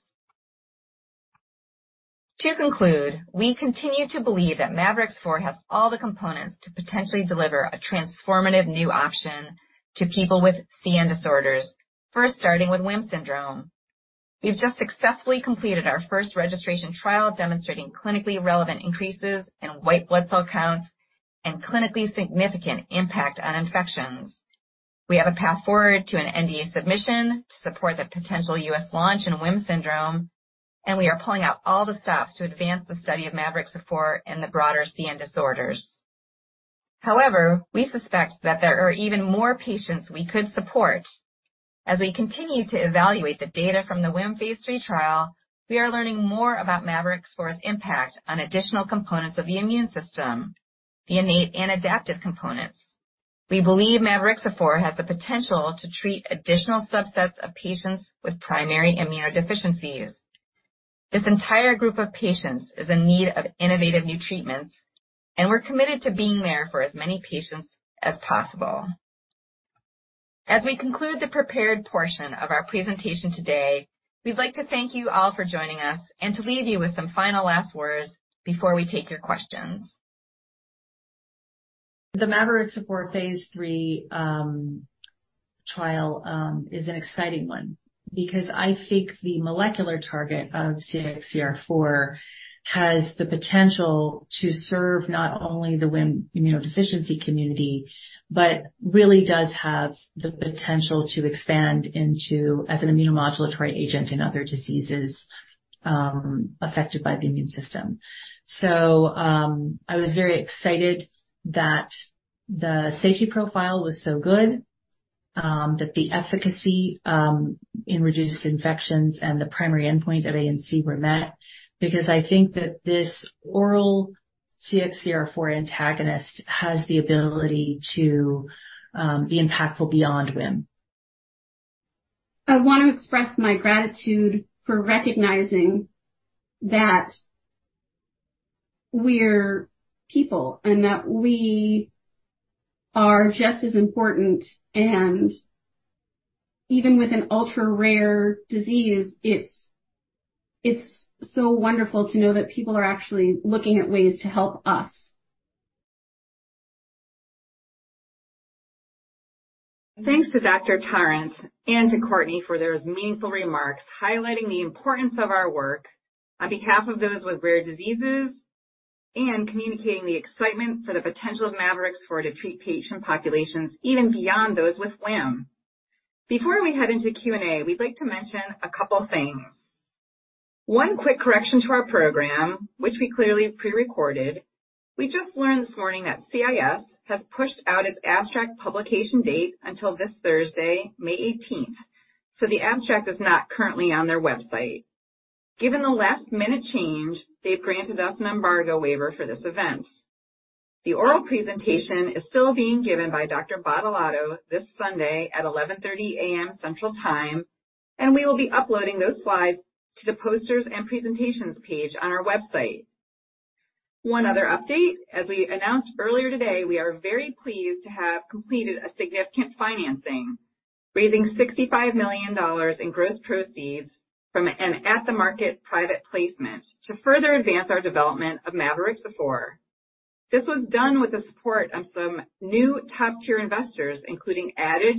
To conclude, we continue to believe that Mavorixafor has all the components to potentially deliver a transformative new option to people with CN disorders, first starting with WHIM syndrome. We've just successfully completed our first registration trial demonstrating clinically relevant increases in white blood cell counts and clinically significant impact on infections. We have a path forward to an NDA submission to support the potential U.S. launch in WHIM syndrome, and we are pulling out all the stops to advance the study of Mavorixafor in the broader CN disorders. However, we suspect that there are even more patients we could support. As we continue to evaluate the data from the WHIM phase III trial, we are learning more about mavorixafor's impact on additional components of the immune system, the innate and adaptive components. We believe mavorixafor has the potential to treat additional subsets of patients with primary immunodeficiencies. This entire group of patients is in need of innovative new treatments, and we're committed to being there for as many patients as possible. As we conclude the prepared portion of our presentation today, we'd like to thank you all for joining us and to leave you with some final last words before we take your questions. The mavorixafor phase III trial is an exciting one because I think the molecular target of CXCR4 has the potential to serve not only the WHIM immunodeficiency community but really does have the potential to expand into as an immunomodulatory agent in other diseases affected by the immune system. I was very excited that, The safety profile was so good, that the efficacy, in reduced infections and the primary endpoint of ANC were met because I think that this oral CXCR4 antagonist has the ability to be impactful beyond WHIM. I want to express my gratitude for recognizing that we're people and that we are just as important and even with an ultra-rare disease, it's so wonderful to know that people are actually looking at ways to help us. Thanks to Dr. Tarrant and to Courtney for those meaningful remarks highlighting the importance of our work on behalf of those with rare diseases and communicating the excitement for the potential of Mavorixafor to treat patient populations even beyond those with WHIM. Before we head into Q&A, we'd like to mention a couple of things. One quick correction to our program, which we clearly pre-recorded. We just learned this morning that CIS has pushed out its abstract publication date until this Thursday, May 18th. The abstract is not currently on their website. Given the last minute change, they've granted us an embargo waiver for this event. The oral presentation is still being given by Dr. Badolato this Sunday at 11:30 A.M. Central Time, and we will be uploading those slides to the Posters and Presentations page on our website. One other update, as we announced earlier today, we are very pleased to have completed a significant financing, raising $65 million in gross proceeds from an at-the-market private placement to further advance our development of mavorixafor. This was done with the support of some new top-tier investors, including Adage,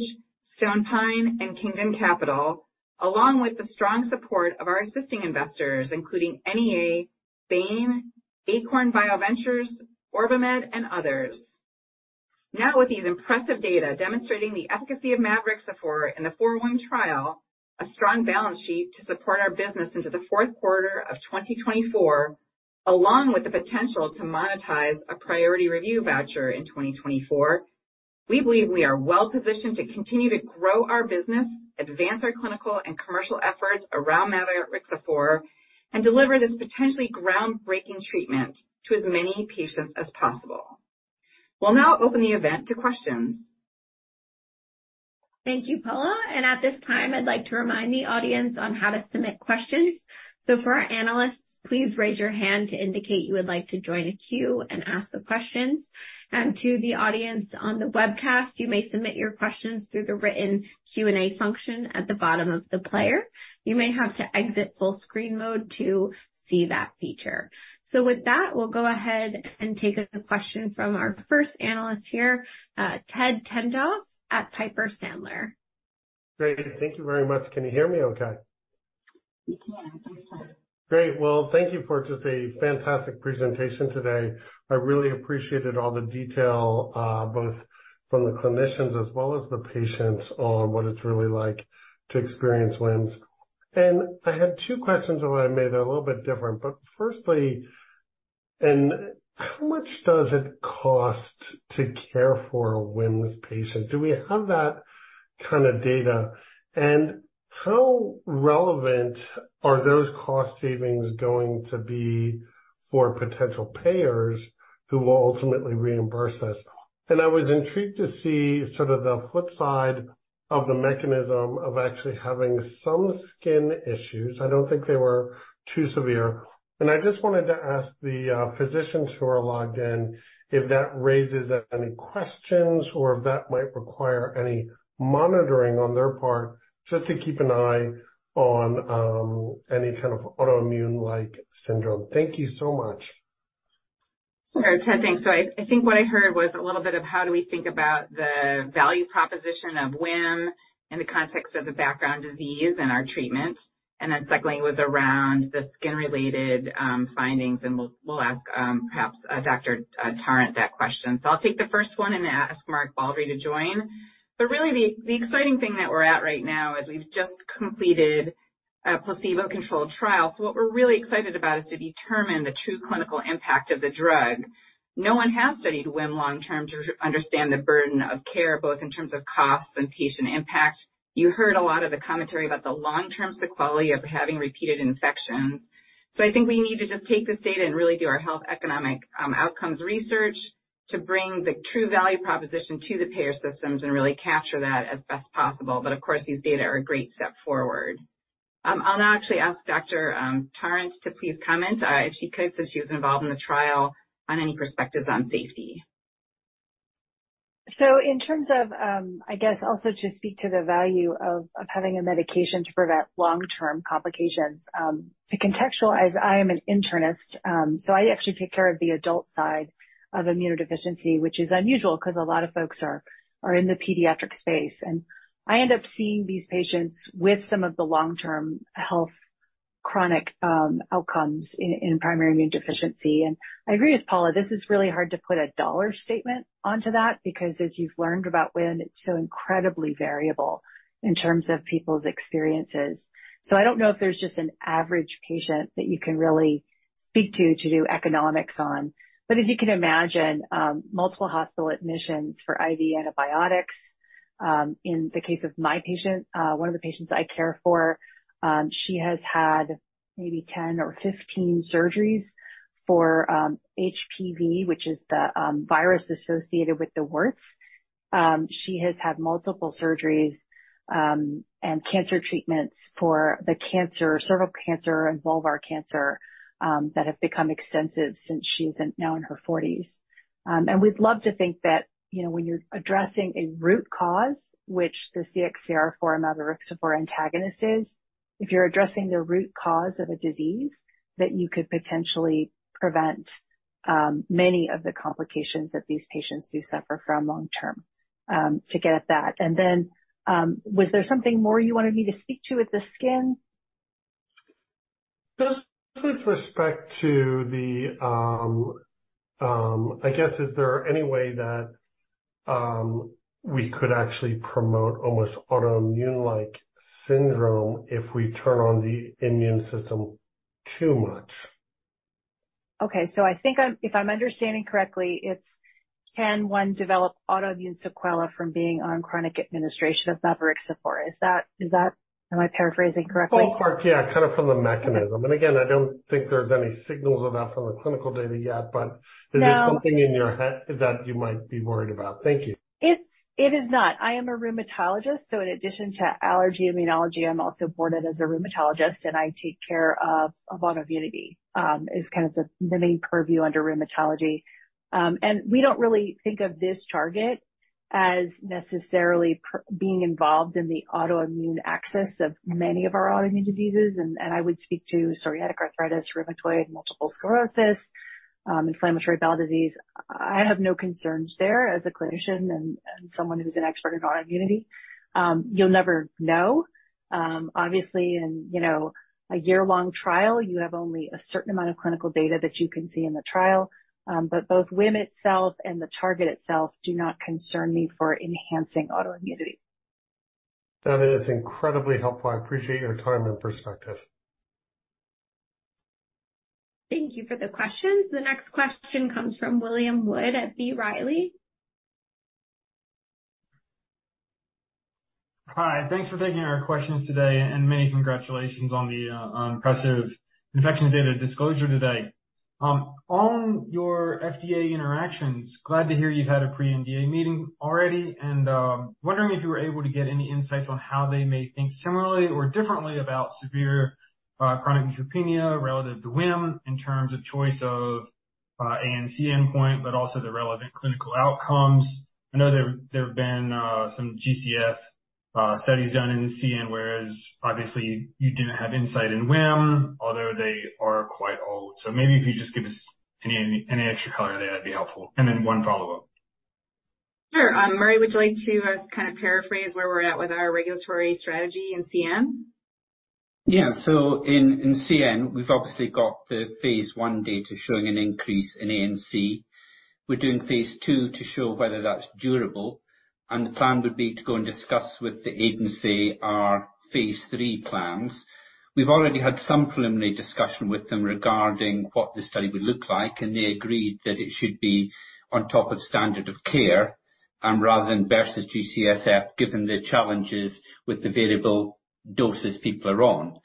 Stonepine Capital, and Kingdom Capital, along with the strong support of our existing investors, including NEA, Bain, Acorn BioVentures, OrbiMed, and others. With these impressive data demonstrating the efficacy of mavorixafor in the 4WHIM trial, a strong balance sheet to support our business into the fourth quarter of 2024, along with the potential to monetize a priority review voucher in 2024, we believe we are well-positioned to continue to grow our business, advance our clinical and commercial efforts around mavorixafor, and deliver this potentially groundbreaking treatment to as many patients as possible. We'll now open the event to questions. Thank you, Paula. At this time, I'd like to remind the audience on how to submit questions. For our analysts, please raise your hand to indicate you would like to join a queue and ask the questions. To the audience on the webcast, you may submit your questions through the written Q&A function at the bottom of the player. You may have to exit full-screen mode to see that feature. With that, we'll go ahead and take a question from our first analyst here, Edward Tenthoff at Piper Sandler. Great. Thank you very much. Can you hear me okay? We can. Thanks, Ed. Great. Well, thank you for just a fantastic presentation today. I really appreciated all the detail, both from the clinicians as well as the patients on what it's really like to experience WHIM. I had two questions I wanna make that are a little bit different. Firstly, how much does it cost to care for a WHIM patient? Do we have that kind of data? How relevant are those cost savings going to be for potential payers who will ultimately reimburse us? I was intrigued to see sort of the flip side of the mechanism of actually having some skin issues. I don't think they were too severe. I just wanted to ask the physicians who are logged in if that raises any questions or if that might require any monitoring on their part, just to keep an eye on any kind of autoimmune-like syndrome. Thank you so much. Sure, Ed. Thanks. I think what I heard was a little bit of how do we think about the value proposition of WHIM in the context of the background disease and our treatment, and secondly, was around the skin-related findings, and we'll ask perhaps Dr. Tarrant that question. I'll take the first one and ask Mark Baldry to join. Really the exciting thing that we're at right now is we've just completed a placebo-controlled trial. What we're really excited about is to determine the true clinical impact of the drug. No one has studied WHIM long term to understand the burden of care, both in terms of costs and patient impact. You heard a lot of the commentary about the long-term sick quality of having repeated infections. I think we need to just take this data and really do our health economic outcomes research to bring the true value proposition to the payer systems and really capture that as best possible. Of course, these data are a great step forward. I'll now actually ask Dr. Tarrant to please comment if she could, since she was involved in the trial on any perspectives on safety. In terms of, I guess also to speak to the value of having a medication to prevent long-term complications. To contextualize, I am an internist, so I actually take care of the adult side of immunodeficiency, which is unusual because a lot of folks are in the pediatric space. I end up seeing these patients with some of the long-term health chronic, outcomes in primary immune deficiency. I agree with Paula, this is really hard to put a dollar statement onto that because as you've learned about WHIM, it's so incredibly variable in terms of people's experiences. I don't know if there's just an average patient that you can really speak to do economics on. As you can imagine, multiple hospital admissions for IV antibiotics. In the case of my patient, one of the patients I care for, she has had maybe 10 or 15 surgeries for HPV, which is the virus associated with the warts. She has had multiple surgeries and cancer treatments for the cancer, cervical cancer and vulvar cancer, that have become extensive since she's now in her 40s. We'd love to think that, you know, when you're addressing a root cause, which the CXCR4 Mavorixafor antagonist is, if you're addressing the root cause of a disease that you could potentially prevent many of the complications that these patients do suffer from long-term, to get at that. Was there something more you wanted me to speak to with the skin? With respect to the, I guess, is there any way that we could actually promote almost autoimmune-like syndrome if we turn on the immune system too much? Okay. I think if I'm understanding correctly, it's can one develop autoimmune sequelae from being on chronic administration of Mavorixafor? Is that Am I paraphrasing correctly? Well, part, yeah, kind of from the mechanism. Okay. Again, I don't think there's any signals of that from the clinical data yet. No. Is it something in your head is that you might be worried about? Thank you. It is not. I am a rheumatologist, in addition to allergy immunology, I'm also boarded as a rheumatologist, and I take care of autoimmunity, as kind of the main purview under rheumatology. We don't really think of this target as necessarily being involved in the autoimmune axis of many of our autoimmune diseases, and I would speak to psoriatic arthritis, rheumatoid, multiple sclerosis, inflammatory bowel disease. I have no concerns there as a clinician and someone who's an expert in autoimmunity. You'll never know. Obviously in, you know, a year-long trial, you have only a certain amount of clinical data that you can see in the trial, but both WHIM itself and the target itself do not concern me for enhancing autoimmunity. That is incredibly helpful. I appreciate your time and perspective. Thank you for the questions. The next question comes from William Wood at B. Riley. Hi. Thanks for taking our questions today and many congratulations on the impressive infection data disclosure today. On your FDA interactions, glad to hear you've had a pre-NDA meeting already and wondering if you were able to get any insights on how they may think similarly or differently about severe chronic neutropenia relative to WHIM in terms of choice of ANC endpoint, but also the relevant clinical outcomes. I know there have been some G-CSF studies done in CN, whereas obviously you didn't have insight in WHIM, although they are quite old. Maybe if you just give us any extra color there, that'd be helpful. One follow-up. Sure. Murray, would you like to, kind of paraphrase where we're at with our regulatory strategy in CN? Yeah. In CN, we've obviously got the phase I data showing an increase in ANC. We're doing phase two to show whether that's durable. The plan would be to go and discuss with the agency our phase three plans. We've already had some preliminary discussion with them regarding what the study would look like. They agreed that it should be on top of standard of care rather than versus GCSF, given the challenges with the variable doses people are on.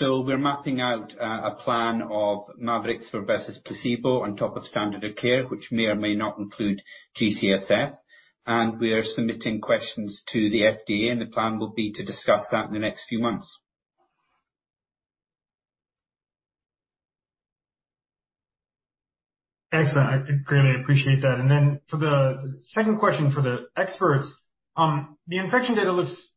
We're mapping out a plan of Mavorixafor versus placebo on top of standard of care, which may or may not include GCSF. We are submitting questions to the FDA. The plan will be to discuss that in the next few months. Excellent. I greatly appreciate that. For the second question for the experts, the infection data looks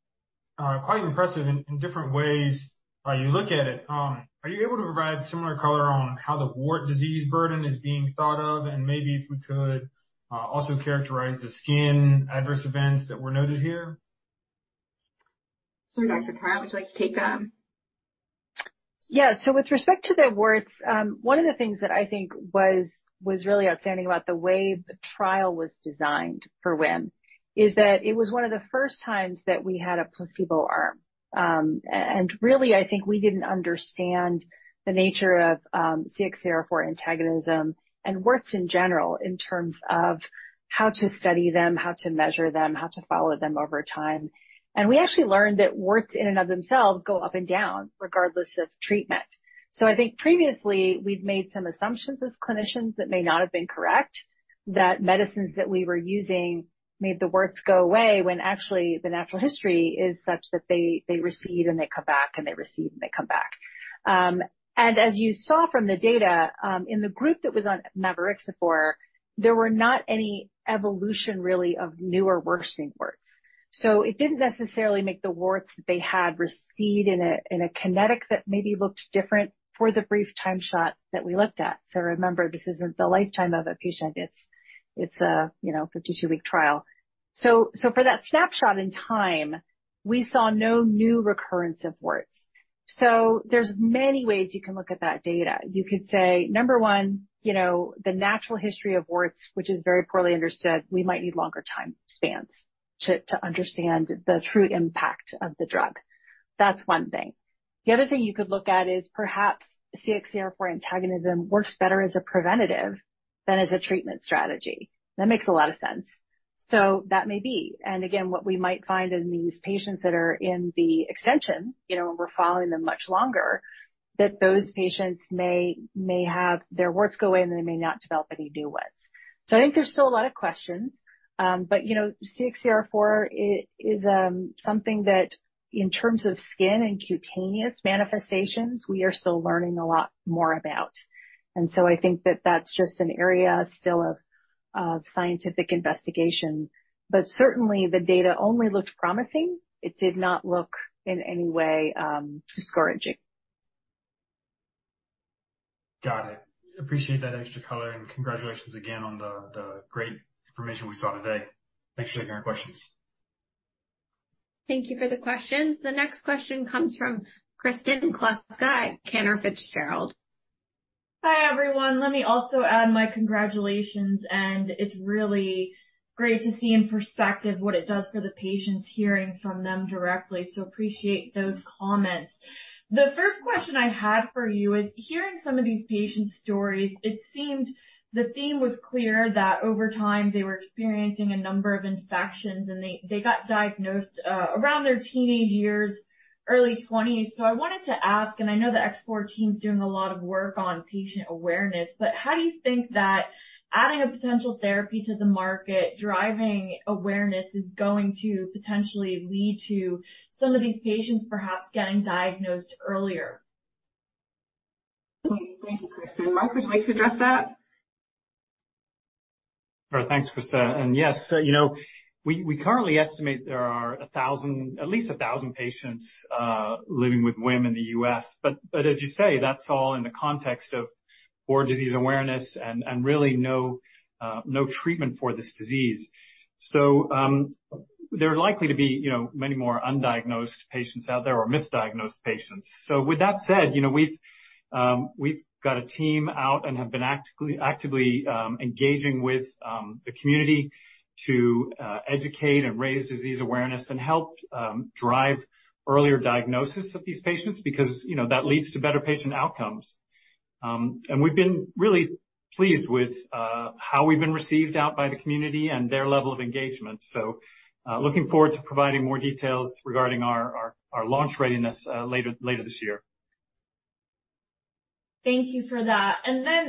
quite impressive in different ways, you look at it. Are you able to provide similar color on how the wart disease burden is being thought of? Maybe if we could also characterize the skin adverse events that were noted here. Sure. Teresa Tarrant, would you like to take that? Yeah. With respect to the warts, one of the things that I think was really outstanding about the way the trial was designed for WHIM is that it was one of the first times that we had a placebo arm. Really, I think we didn't understand the nature of CXCR4 antagonism and warts in general in terms of how to study them, how to measure them, how to follow them over time. We actually learned that warts in and of themselves go up and down regardless of treatment. I think previously we've made some assumptions as clinicians that may not have been correct, that medicines that we were using made the warts go away when actually the natural history is such that they recede, and they come back, and they recede, and they come back. As you saw from the data, in the group that was on mavorixafor, there were not any evolution really of new or worsening warts. It didn't necessarily make the warts that they had recede in a kinetic that maybe looked different for the brief time shot that we looked at. Remember, this isn't the lifetime of a patient. It's a 52-week trial. For that snapshot in time, we saw no new recurrence of warts. There's many ways you can look at that data. You could say, number one, the natural history of warts, which is very poorly understood, we might need longer time spans to understand the true impact of the drug. That's one thing. The other thing you could look at is perhaps CXCR4 antagonism works better as a preventative than as a treatment strategy. That makes a lot of sense. That may be. What we might find in these patients that are in the extension, you know, when we're following them much longer, that those patients may have their warts go away, and they may not develop any new ones. I think there's still a lot of questions. You know, CXCR4 is something that in terms of skin and cutaneous manifestations, we are still learning a lot more about. I think that that's just an area still of scientific investigation. Certainly, the data only looked promising. It did not look in any way discouraging. Got it. Appreciate that extra color. Congratulations again on the great information we saw today. Thanks for taking our questions. Thank you for the questions. The next question comes from Kristen Kluska at Cantor Fitzgerald. Hi, everyone. Let me also add my congratulations, and it's really great to see in perspective what it does for the patients, hearing from them directly, so appreciate those comments. The first question I had for you is hearing some of these patients' stories, it seemed the theme was clear that over time they were experiencing a number of infections, and they got diagnosed around their teenage years, early twenties. I wanted to ask, and I know the X4 team's doing a lot of work on patient awareness, but how do you think that adding a potential therapy to the market, driving awareness, is going to potentially lead to some of these patients perhaps getting diagnosed earlier? Thank you, Kristen. Mark, would you like to address that? Sure. Thanks, Kristen. Yes, you know, we currently estimate there are 1,000, at least 1,000 patients, living with WHIM in the U.S. But as you say, that's all in the context of poor disease awareness and really no treatment for this disease. There are likely to be, you know, many more undiagnosed patients out there or misdiagnosed patients. With that said, you know, we've got a team out and have been actively engaging with the community to educate and raise disease awareness and help drive earlier diagnosis of these patients because, you know, that leads to better patient outcomes. And we've been really pleased with how we've been received out by the community and their level of engagement. Looking forward to providing more details regarding our launch readiness later this year. Thank you for that.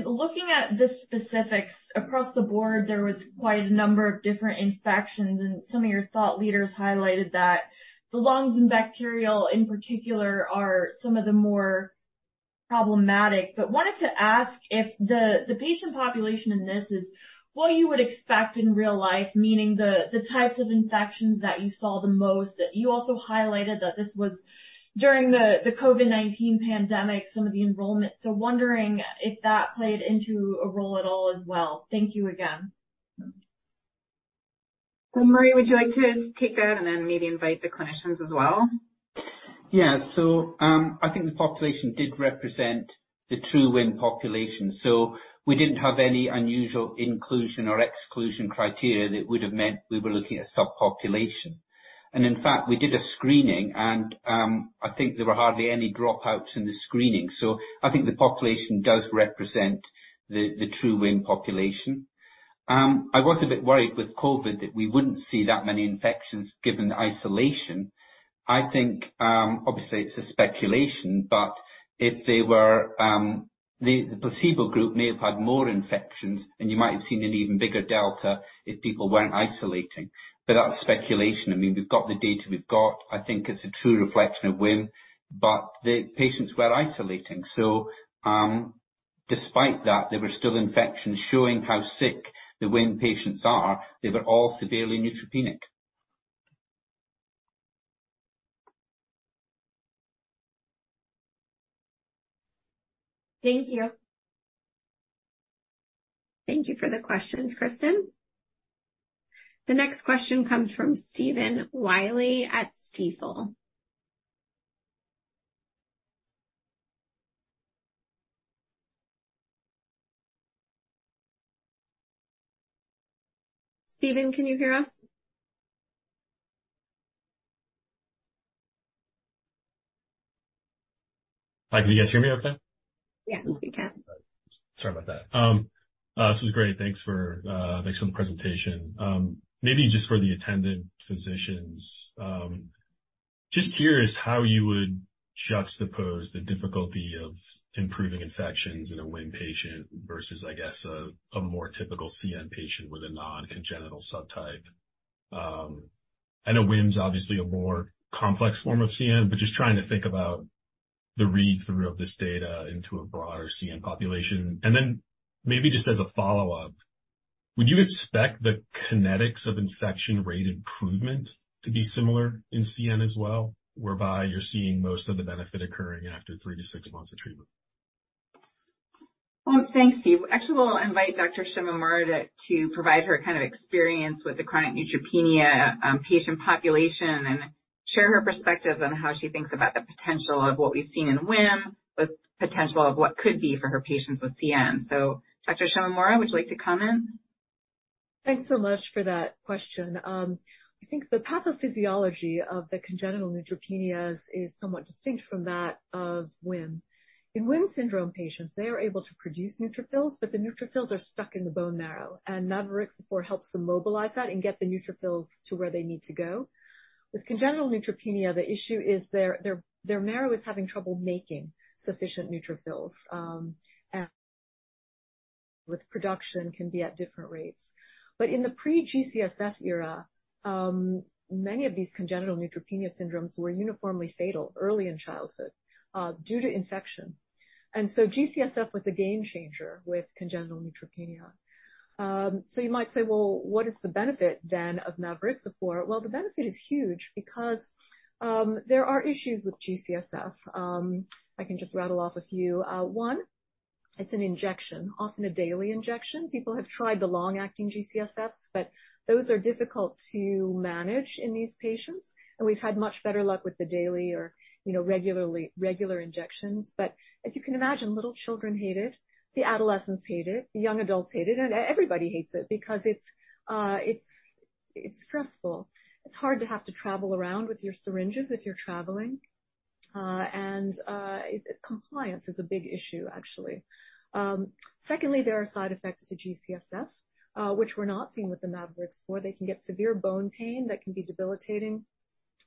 Looking at the specifics across the board, there was quite a number of different infections, and some of your thought leaders highlighted that the lungs and bacterial in particular are some of the more problematic. Wanted to ask if the patient population in this is what you would expect in real life, meaning the types of infections that you saw the most. You also highlighted that this was during the COVID-19 pandemic, some of the enrollment. Wondering if that played into a role at all as well. Thank you again. Murray, would you like to take that and then maybe invite the clinicians as well? Yeah. I think the population did represent the true WHIM population, so we didn't have any unusual inclusion or exclusion criteria that would have meant we were looking at subpopulation. In fact, we did a screening and I think there were hardly any dropouts in the screening. I think the population does represent the true WHIM population. I was a bit worried with COVID that we wouldn't see that many infections given the isolation. I think obviously it's a speculation, but if they were. The placebo group may have had more infections, and you might have seen an even bigger delta if people weren't isolating. That's speculation. I mean, we've got the data we've got. I think it's a true reflection of WHIM. The patients were isolating, so, despite that, there were still infections showing how sick the WHIM patients are. They were all severely neutropenic. Thank you. Thank you for the questions, Kristen. The next question comes from Stephen Willey at Stifel. Stephen, can you hear us? Hi. Can you guys hear me okay? Yes. We can. Sorry about that. This was great. Thanks for thanks for the presentation. Maybe just for the attending physicians, just curious how you would juxtapose the difficulty of improving infections in a WHIM patient versus, I guess, a more typical CN patient with a non-congenital subtype. I know WHIM's obviously a more complex form of CN, but just trying to think about the read-through of this data into a broader CN population. Maybe just as a follow-up, would you expect the kinetics of infection rate improvement to be similar in CN as well, whereby you're seeing most of the benefit occurring after three to six months of treatment? Well, thanks, Stephen. Actually, we'll invite Dr. Shimamura to provide her kind of experience with the chronic neutropenia patient population. Share her perspective on how she thinks about the potential of what we've seen in WHIM with potential of what could be for her patients with CN. Dr. Shimamura, would you like to comment? Thanks so much for that question. I think the pathophysiology of the congenital neutropenias is somewhat distinct from that of WHIM. In WHIM syndrome patients, they are able to produce neutrophils, but the neutrophils are stuck in the bone marrow, and Mavorixafor helps them mobilize that and get the neutrophils to where they need to go. With congenital neutropenia, the issue is their marrow is having trouble making sufficient neutrophils, and with production can be at different rates. In the pre-G-CSF era, many of these congenital neutropenia syndromes were uniformly fatal early in childhood due to infection. G-CSF was a game changer with congenital neutropenia. You might say, "Well, what is the benefit then of Mavorixafor?" The benefit is huge because there are issues with G-CSF. I can just rattle off a few. One, it's an injection, often a daily injection. People have tried the long-acting G-CSFs, those are difficult to manage in these patients. We've had much better luck with the daily or, you know, regular injections. As you can imagine, little children hate it, the adolescents hate it, the young adults hate it, and everybody hates it because it's stressful. It's hard to have to travel around with your syringes if you're traveling. Compliance is a big issue, actually. Two, there are side effects to G-CSF, which we're not seeing with the Mavorixafor. They can get severe bone pain that can be debilitating.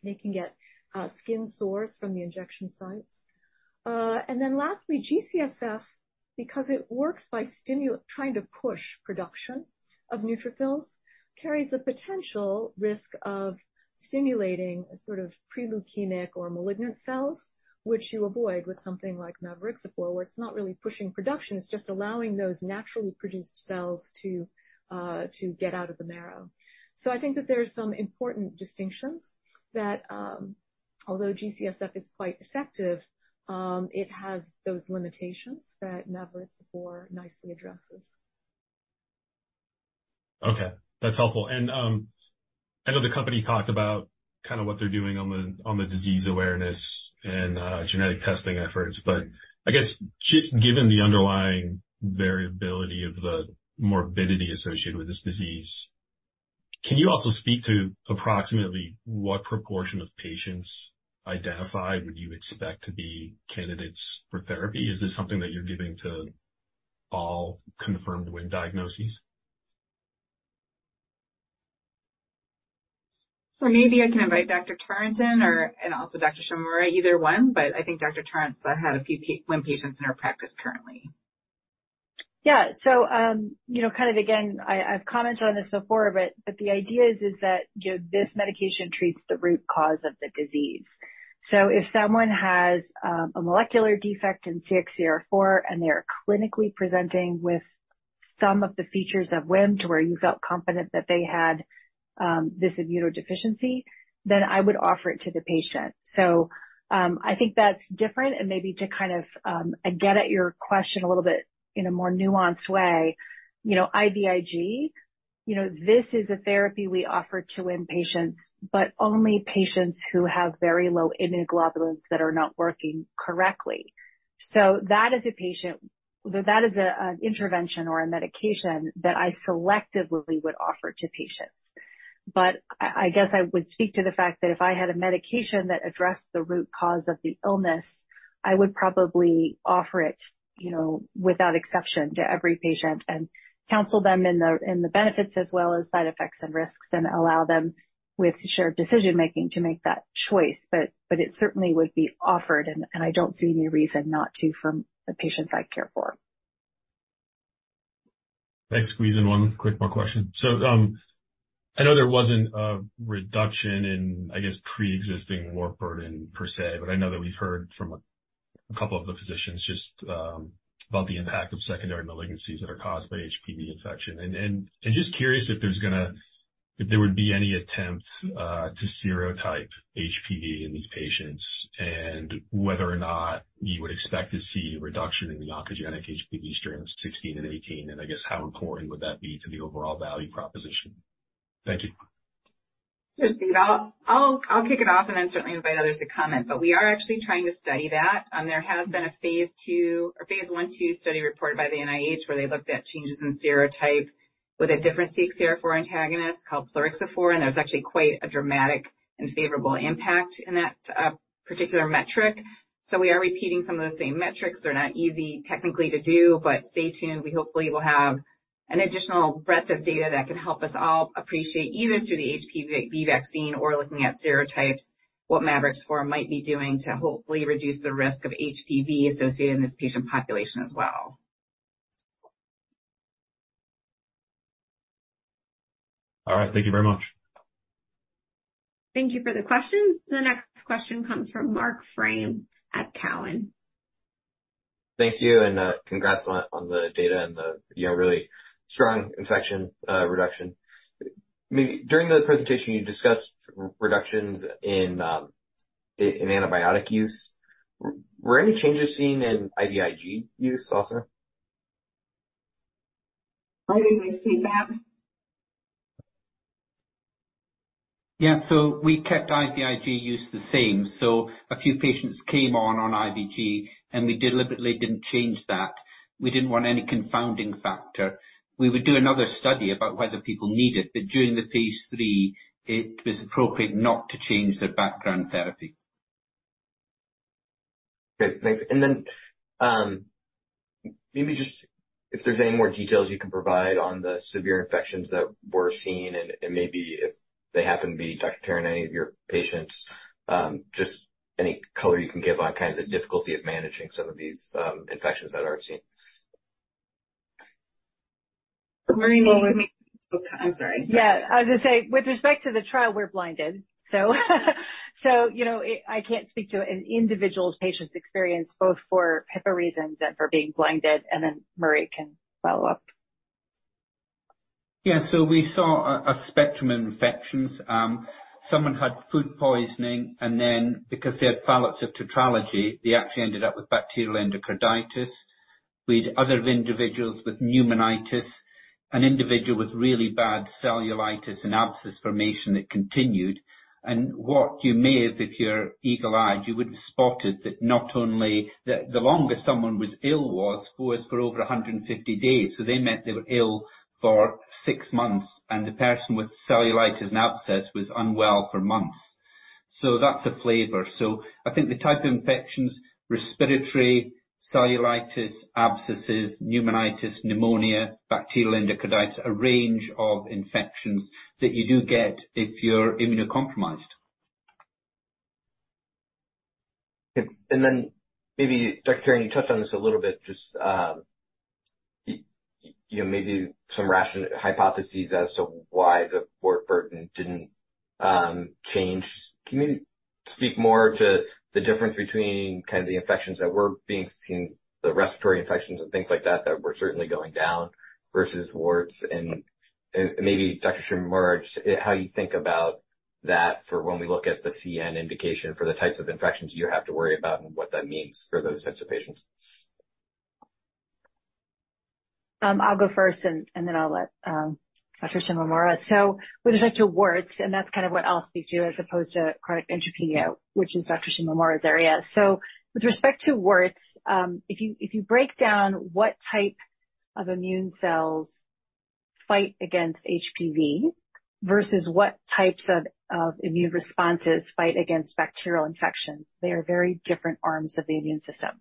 They can get skin sores from the injection sites. Lastly, G-CSF, because it works by trying to push production of neutrophils, carries a potential risk of stimulating a sort of pre-leukemic or malignant cells, which you avoid with something like Mavorixafor, where it's not really pushing production, it's just allowing those naturally produced cells to get out of the marrow. I think that there are some important distinctions that, although G-CSF is quite effective, it has those limitations that Mavorixafor nicely addresses. Okay. That's helpful. I know the company talked about kind of what they're doing on the disease awareness and genetic testing efforts, but I guess just given the underlying variability of the morbidity associated with this disease, can you also speak to approximately what proportion of patients identified would you expect to be candidates for therapy? Is this something that you're giving to all confirmed WHIM diagnoses? Maybe I can invite Dr. Tarrant or, and also Dr. Shimamura, either one, but I think Dr. Tarrant had a few WHIM patients in her practice currently. Yeah. You know, kind of again, I've commented on this before, but the idea is that, you know, this medication treats the root cause of the disease. If someone has a molecular defect in CXCR4 and they are clinically presenting with some of the features of WHIM to where you felt confident that they had this immunodeficiency, then I would offer it to the patient. I think that's different. And maybe to kind of get at your question a little bit in a more nuanced way, you know, IVIG, you know, this is a therapy we offer to WHIM patients, but only patients who have very low immunoglobulins that are not working correctly. That is an intervention or a medication that I selectively would offer to patients. I guess I would speak to the fact that if I had a medication that addressed the root cause of the illness, I would probably offer it, you know, without exception to every patient and counsel them in the, in the benefits as well as side effects and risks, and allow them with shared decision-making to make that choice. It certainly would be offered, and I don't see any reason not to from the patients I care for. Can I squeeze in one quick more question? I know there wasn't a reduction in, I guess, pre-existing morbid burden per se, but I know that we've heard from a couple of the physicians just about the impact of secondary malignancies that are caused by HPV infection. Just curious if there would be any attempt to serotype HPV in these patients and whether or not you would expect to see a reduction in the oncogenic HPV strains 16 and 18. I guess how important would that be to the overall value proposition? Thank you. Sure, Steve. I'll kick it off and certainly invite others to comment. We are actually trying to study that. There has been a phase II or phase I/II study reported by the NIH, where they looked at changes in serotype with a different CXCR4 antagonist called plerixafor, and there was actually quite a dramatic and favorable impact in that particular metric. We are repeating some of those same metrics. They're not easy technically to do, but stay tuned. We hopefully will have an additional breadth of data that can help us all appreciate, either through the HPV vaccine or looking at serotypes, what Mavorixafor might be doing to hopefully reduce the risk of HPV associated in this patient population as well. All right. Thank you very much. Thank you for the question. The next question comes from Marc Frahm at Cowen. Thank you. Congrats on the data and the, you know, really strong infection reduction. Maybe during the presentation you discussed reductions in antibiotic use. Were any changes seen in IVIG use also? I usually see that. Yeah. We kept IVIG use the same. A few patients came on on IVIG. We deliberately didn't change that. We didn't want any confounding factor. We would do another study about whether people need it. During the phase III, it was appropriate not to change their background therapy. Okay, thanks. Maybe just if there's any more details you can provide on the severe infections that were seen, maybe if they happen to be Dr. Tarrant, any of your patients, just any color you can give on kind of the difficulty of managing some of these infections that are seen. Murray, I'm sorry. Yeah. I was gonna say, with respect to the trial, we're blinded. You know, I can't speak to an individual patient's experience both for HIPAA reasons and for being blinded. Murray can follow up. Yeah. we saw a spectrum of infections. someone had food poisoning, because they had Fallot's tetralogy, they actually ended up with bacterial endocarditis. We had other individuals with pneumonitis, an individual with really bad cellulitis and abscess formation that continued. what you may have, if you're eagle-eyed, you would have spotted that not only the longest someone was ill was for over 150 days, so they meant they were ill for 6 months. the person with cellulitis and abscess was unwell for months. that's a flavor. I think the type of infections, respiratory, cellulitis, abscesses, pneumonitis, pneumonia, bacterial endocarditis, a range of infections that you do get if you're immunocompromised. Okay. Then maybe, Dr. Tarrant, you touched on this a little bit, just, you know, maybe some hypotheses as to why the wart burden didn't change. Can you speak more to the difference between kind of the infections that were being seen, the respiratory infections and things like that were certainly going down versus warts and maybe Dr. Shimamura, how you think about that for when we look at the CN indication for the types of infections you have to worry about and what that means for those types of patients? I'll go first and then I'll let Dr. Shimamura. With respect to warts, and that's kind of what I'll speak to as opposed to chronic neutropenia, which is Dr. Shimamura's area. With respect to warts, if you break down what type of immune cells fight against HPV versus what types of immune responses fight against bacterial infections, they are very different arms of the immune system.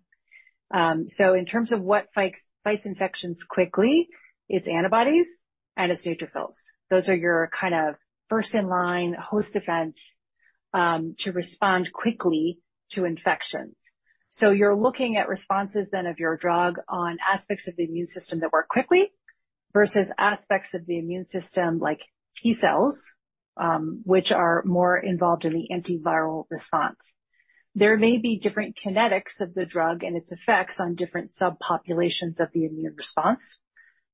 In terms of what fights infections quickly, it's antibodies and it's neutrophils. Those are your kind of first in line host defense to respond quickly to infections. You're looking at responses then of your drug on aspects of the immune system that work quickly versus aspects of the immune system like T cells, which are more involved in the antiviral response. There may be different kinetics of the drug and its effects on different subpopulations of the immune response.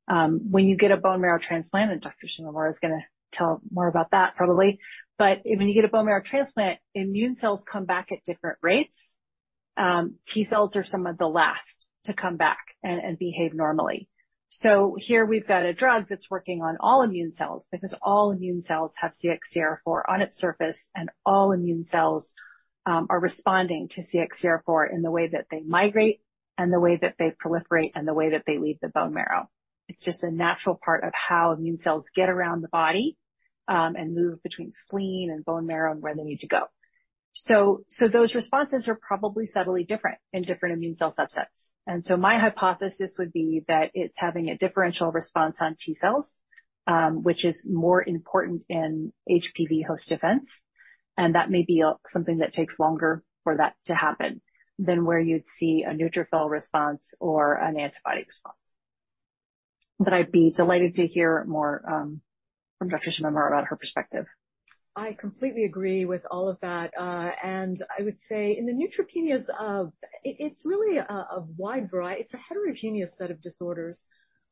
When you get a bone marrow transplant, and Dr. Shimamura is gonna tell more about that probably, but when you get a bone marrow transplant, immune cells come back at different rates. T cells are some of the last to come back and behave normally. Here we've got a drug that's working on all immune cells because all immune cells have CXCR4 on its surface, and all immune cells are responding to CXCR4 in the way that they migrate and the way that they proliferate and the way that they leave the bone marrow. It's just a natural part of how immune cells get around the body and move between spleen and bone marrow and where they need to go. Those responses are probably subtly different in different immune cell subsets. My hypothesis would be that it's having a differential response on T cells, which is more important in HPV host defense. That may be something that takes longer for that to happen than where you'd see a neutrophil response or an antibody response. I'd be delighted to hear more from Dr. Shimamura about her perspective. I completely agree with all of that. I would say in the neutropenias of... it's really a wide heterogeneous set of disorders,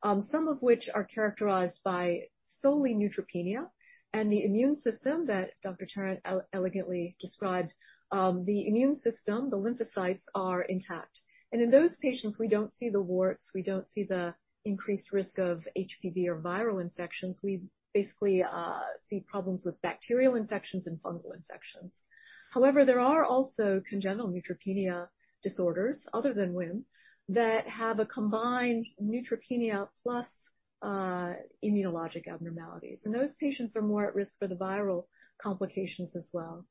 some of which are characterized by solely neutropenia and the immune system that Dr. Tarrant elegantly described. The immune system, the lymphocytes, are intact. In those patients, we don't see the warts, we don't see the increased risk of HPV or viral infections. We basically see problems with bacterial infections and fungal infections. There are also congenital neutropenia disorders other than WHIM that have a combined neutropenia plus immunologic abnormalities. Those patients are more at risk for the viral complications as well.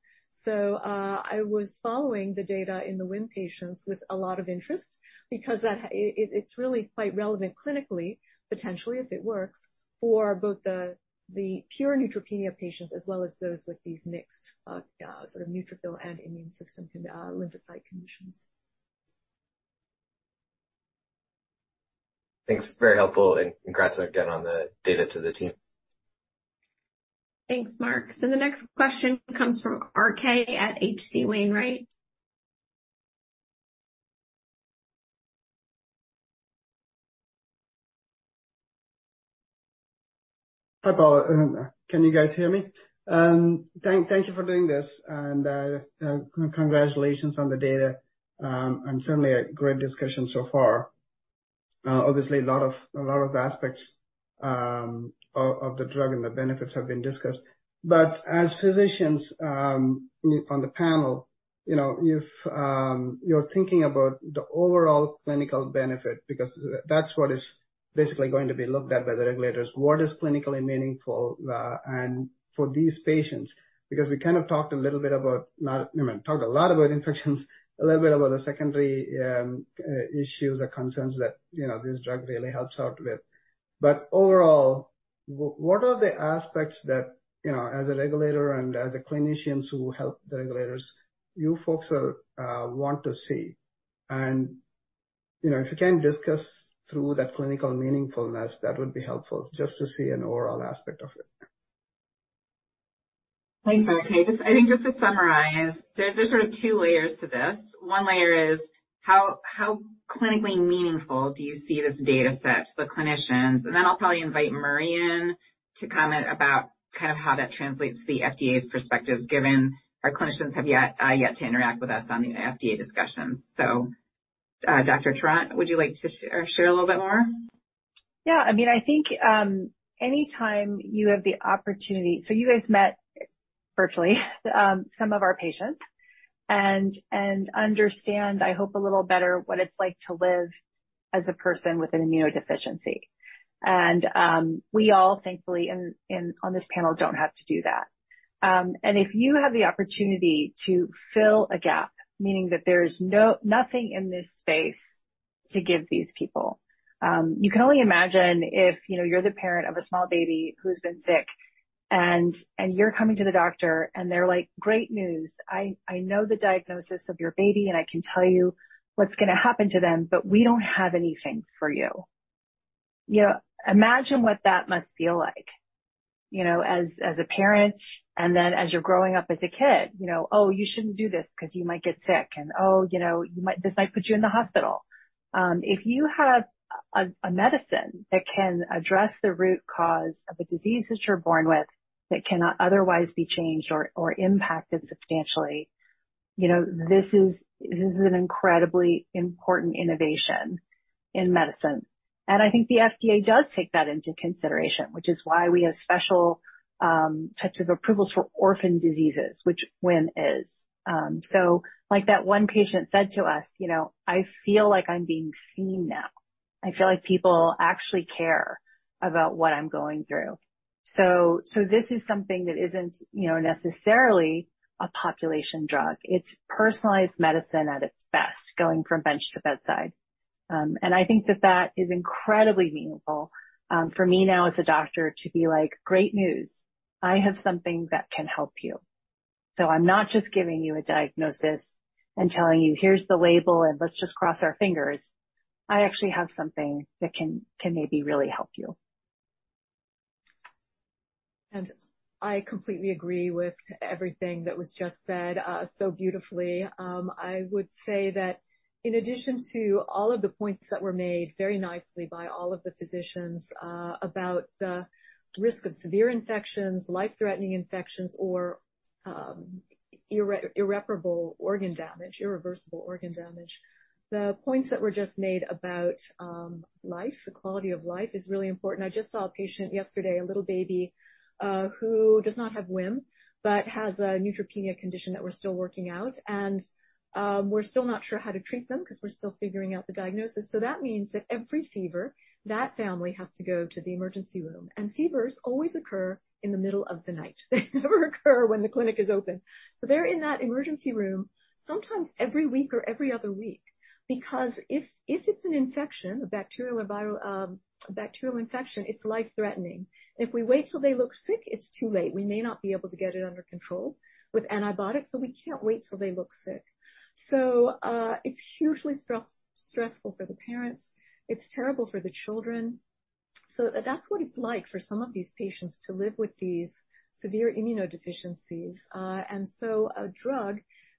I was following the data in the WHIM patients with a lot of interest because it's really quite relevant clinically, potentially, if it works, for both the pure neutropenia patients as well as those with these mixed, sort of neutrophil and immune system lymphocyte conditions. Thanks. Very helpful, and congrats again on the data to the team. Thanks, Mark. The next question comes from RK at H.C. Wainwright. Hi, Paula. Can you guys hear me? Thank you for doing this. Congratulations on the data. Certainly a great discussion so far. Obviously, a lot of aspects of the drug and the benefits have been discussed. As physicians on the panel, you know, if you're thinking about the overall clinical benefit because that's what is basically going to be looked at by the regulators. What is clinically meaningful, and for these patients, because talked a lot about infections, a little bit about the secondary issues or concerns that, you know, this drug really helps out with. Overall, what are the aspects that, you know, as a regulator and as the clinicians who help the regulators you folks are, want to see? You know, if you can discuss through the clinical meaningfulness, that would be helpful just to see an overall aspect of it. Thanks, Mike. I think just to summarize, there's sort of two layers to this. One layer is how clinically meaningful do you see this data set to the clinicians? I'll probably invite Mary in to comment about kind of how that translates to the FDA's perspectives, given our clinicians have yet to interact with us on the FDA discussions. Dr. Tarrant, would you like to share a little bit more? I mean, I think, any time you have the opportunity. You guys met virtually, some of our patients and understand, I hope, a little better what it's like to live as a person with an immunodeficiency. We all thankfully on this panel, don't have to do that. If you have the opportunity to fill a gap, meaning that there's nothing in this space to give these people, you can only imagine if, you know, you're the parent of a small baby who's been sick and you're coming to the doctor, and they're like, "Great news, I know the diagnosis of your baby, and I can tell you what's gonna happen to them, but we don't have anything for you." You know, imagine what that must feel like, you know, as a parent, and then as you're growing up as a kid, you know. You shouldn't do this 'cause you might get sick." "You know, this might put you in the hospital." If you have a medicine that can address the root cause of a disease that you're born with that cannot otherwise be changed or impacted substantially, you know, this is an incredibly important innovation in medicine. I think the FDA does take that into consideration, which is why we have special types of approvals for orphan diseases, which WHIM is. So like that one patient said to us, you know, "I feel like I'm being seen now. I feel like people actually care about what I'm going through." So this is something that isn't, you know, necessarily a population drug. It's personalized medicine at its best, going from bench to bedside. I think that that is incredibly meaningful for me now as a doctor to be like, "Great news, I have something that can help you." I'm no just giving you a diagnosis and telling you, "Here's the label, and let's just cross our fingers." I actually have something that can maybe really help you. I completely agree with everything that was just said, so beautifully. I would say that in addition to all of the points that were made very nicely by all of the physicians, about the risk of severe infections, life-threatening infections or irreparable organ damage, irreversible organ damage. The points that were just made about life, the quality of life is really important. I just saw a patient yesterday, a little baby, who does not have WHIM, but has a neutropenia condition that we're still working out. We're still not sure how to treat them 'cause we're still figuring out the diagnosis. That means that every fever, that family has to go to the emergency room. Fevers always occur in the middle of the night. They never occur when the clinic is open. They're in that emergency room sometimes every week or every other week, because if it's an infection, a bacterial infection, it's life-threatening. If we wait till they look sick, it's too late. We may not be able to get it under control with antibiotics. We can't wait till they look sick. It's hugely stressful for the parents. It's terrible for the children. That's what it's like for some of these patients to live with these severe immunodeficiencies. A drug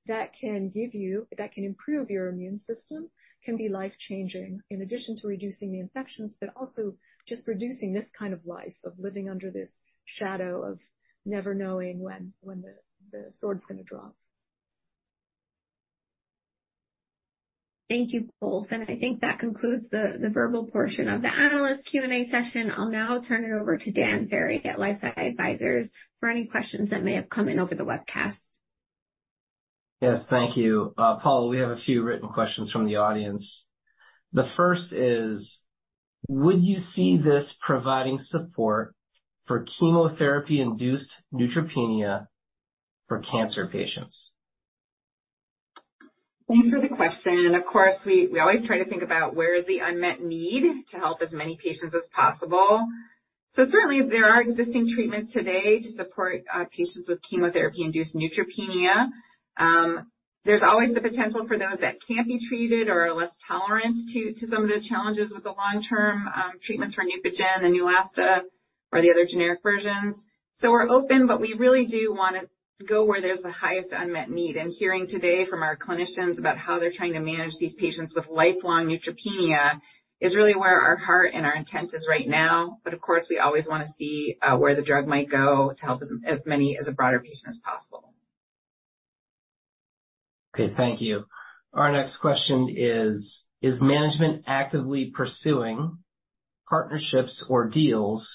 that can give you, that can improve your immune system can be life-changing in addition to reducing the infections, but also just reducing this kind of life of living under this shadow of never knowing when the sword's gonna drop. Thank you both. I think that concludes the verbal portion of the analyst Q&A session. I'll now turn it over to Dan Ferry at LifeSci Advisors for any questions that may have come in over the webcast. Yes, thank you. Paula, we have a few written questions from the audience. The first is: Would you see this providing support for chemotherapy-induced neutropenia for cancer patients? Thanks for the question. Of course, we always try to think about where is the unmet need to help as many patients as possible. Certainly there are existing treatments today to support patients with chemotherapy-induced neutropenia. There's always the potential for those that can't be treated or are less tolerant to some of the challenges with the long-term treatments for Neupogen and Neulasta or the other generic versions. We're open, but we really do wanna go where there's the highest unmet need. Hearing today from our clinicians about how they're trying to manage these patients with lifelong neutropenia is really where our heart and our intent is right now. Of course, we always wanna see where the drug might go to help as many as a broader patient as possible. Okay, thank you. Our next question is: Is management actively pursuing partnerships or deals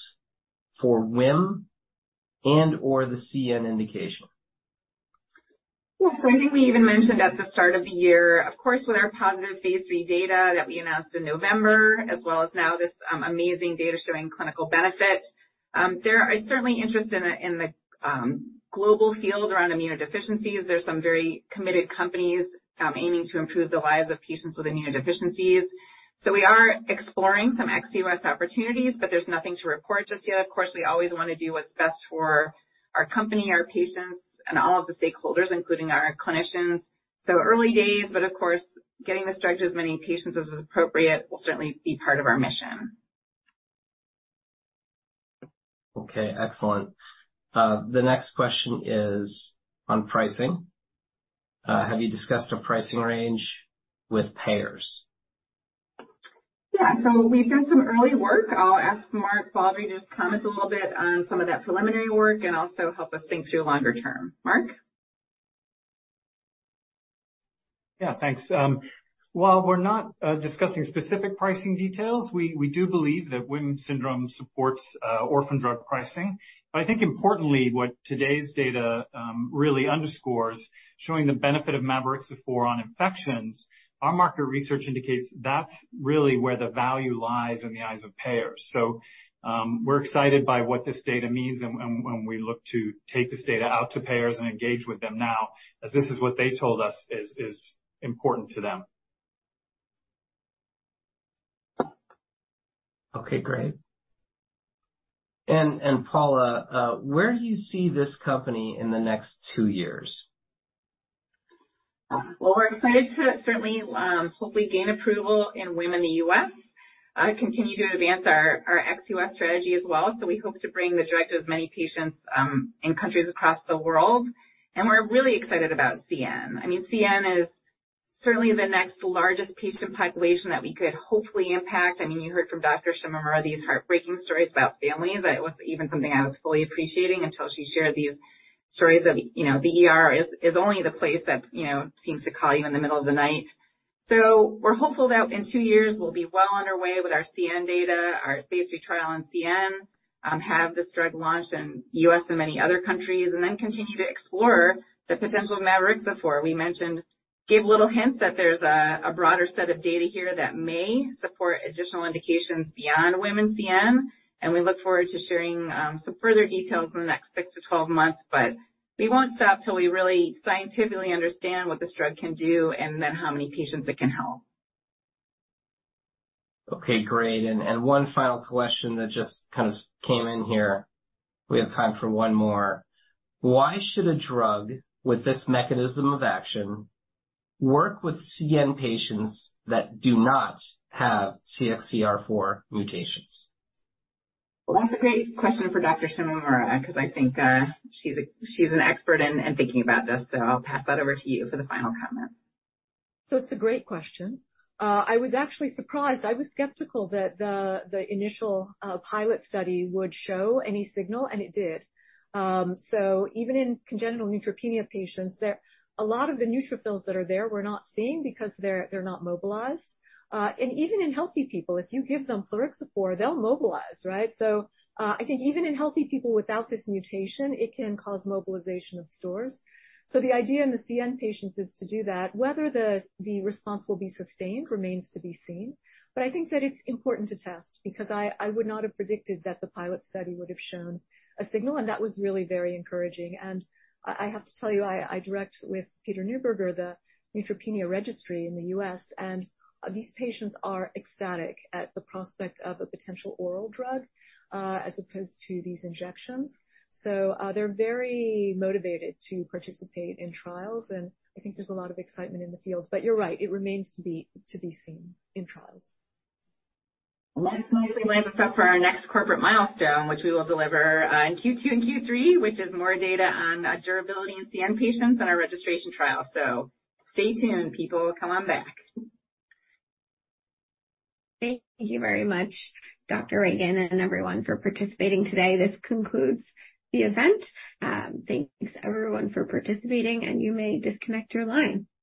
for WHIM and or the CN indication? Yeah. I think we even mentioned at the start of the year, of course, with our positive phase III data that we announced in November, as well as now this amazing data showing clinical benefit. There are certainly interest in the, in the global field around immunodeficiencies. There's some very committed companies aiming to improve the lives of patients with immunodeficiencies. We are exploring some ex-U.S. opportunities, but there's nothing to report just yet. Of course, we always wanna do what's best for our company, our patients, and all of the stakeholders, including our clinicians. Early days, but of course, getting this drug to as many patients as is appropriate will certainly be part of our mission. Okay, excellent. The next question is on pricing. Have you discussed a pricing range with payers? Yeah. We've done some early work. I'll ask Mark Baldry to just comment a little bit on some of that preliminary work and also help us think through longer term. Mark? Yeah, thanks. While we're not discussing specific pricing details, we do believe that WHIM syndrome supports orphan drug pricing. I think importantly, what today's data really underscores, showing the benefit of Mavorixafor on infections, our market research indicates that's really where the value lies in the eyes of payers. We're excited by what this data means and when we look to take this data out to payers and engage with them now, as this is what they told us is important to them. Okay, great. Paula, where do you see this company in the next two years? Well, we're excited to certainly hopefully gain approval in WHIM in the U.S., continue to advance our ex-U.S. strategy as well. We hope to bring the drug to as many patients in countries across the world. We're really excited about CN. I mean, CN is certainly the next largest patient population that we could hopefully impact. I mean, you heard from Dr. Shimamura these heartbreaking stories about families. It wasn't even something I was fully appreciating until she shared these stories of, you know, the ER is only the place that, you know, seems to call you in the middle of the night. We're hopeful that in two-years, we'll be well on our way with our CN data, our phase III trial in CN, have this drug launched in U.S. and many other countries, and then continue to explore the potential Mavorixafor. We gave little hints that there's a broader set of data here that may support additional indications beyond WHIM and CN, and we look forward to sharing some further details in the next six to 12 months. We won't stop till we really scientifically understand what this drug can do and then how many patients it can help. Okay, great. One final question that just kind of came in here. We have time for one more. Why should a drug with this mechanism of action work with CN patients that do not have CXCR4 mutations? That's a great question for Dr. Shimamura, 'cause I think, she's an expert in thinking about this. I'll pass that over to you for the final comments. It's a great question. I was actually surprised. I was skeptical that the initial pilot study would show any signal, and it did. Even in congenital neutropenia patients, a lot of the neutrophils that are there, we're not seeing because they're not mobilized. And even in healthy people, if you give them plerixafor, they'll mobilize, right? I think even in healthy people without this mutation, it can cause mobilization of stores. The idea in the CN patients is to do that. Whether the response will be sustained remains to be seen. I think that it's important to test because I would not have predicted that the pilot study would have shown a signal, and that was really very encouraging. I have to tell you, I direct with Peter Neuberger, the Neutropenia Registry in the U.S., and these patients are ecstatic at the prospect of a potential oral drug, as opposed to these injections. They're very motivated to participate in trials, and I think there's a lot of excitement in the field. You're right, it remains to be seen in trials. That nicely lines us up for our next corporate milestone, which we will deliver in Q2 and Q3, which is more data on durability in CN patients in our registration trial. Stay tuned, people. Come on back. Thank you very much, Dr. Paula Ragan and everyone for participating today. This concludes the event. Thanks everyone for participating, you may disconnect your line.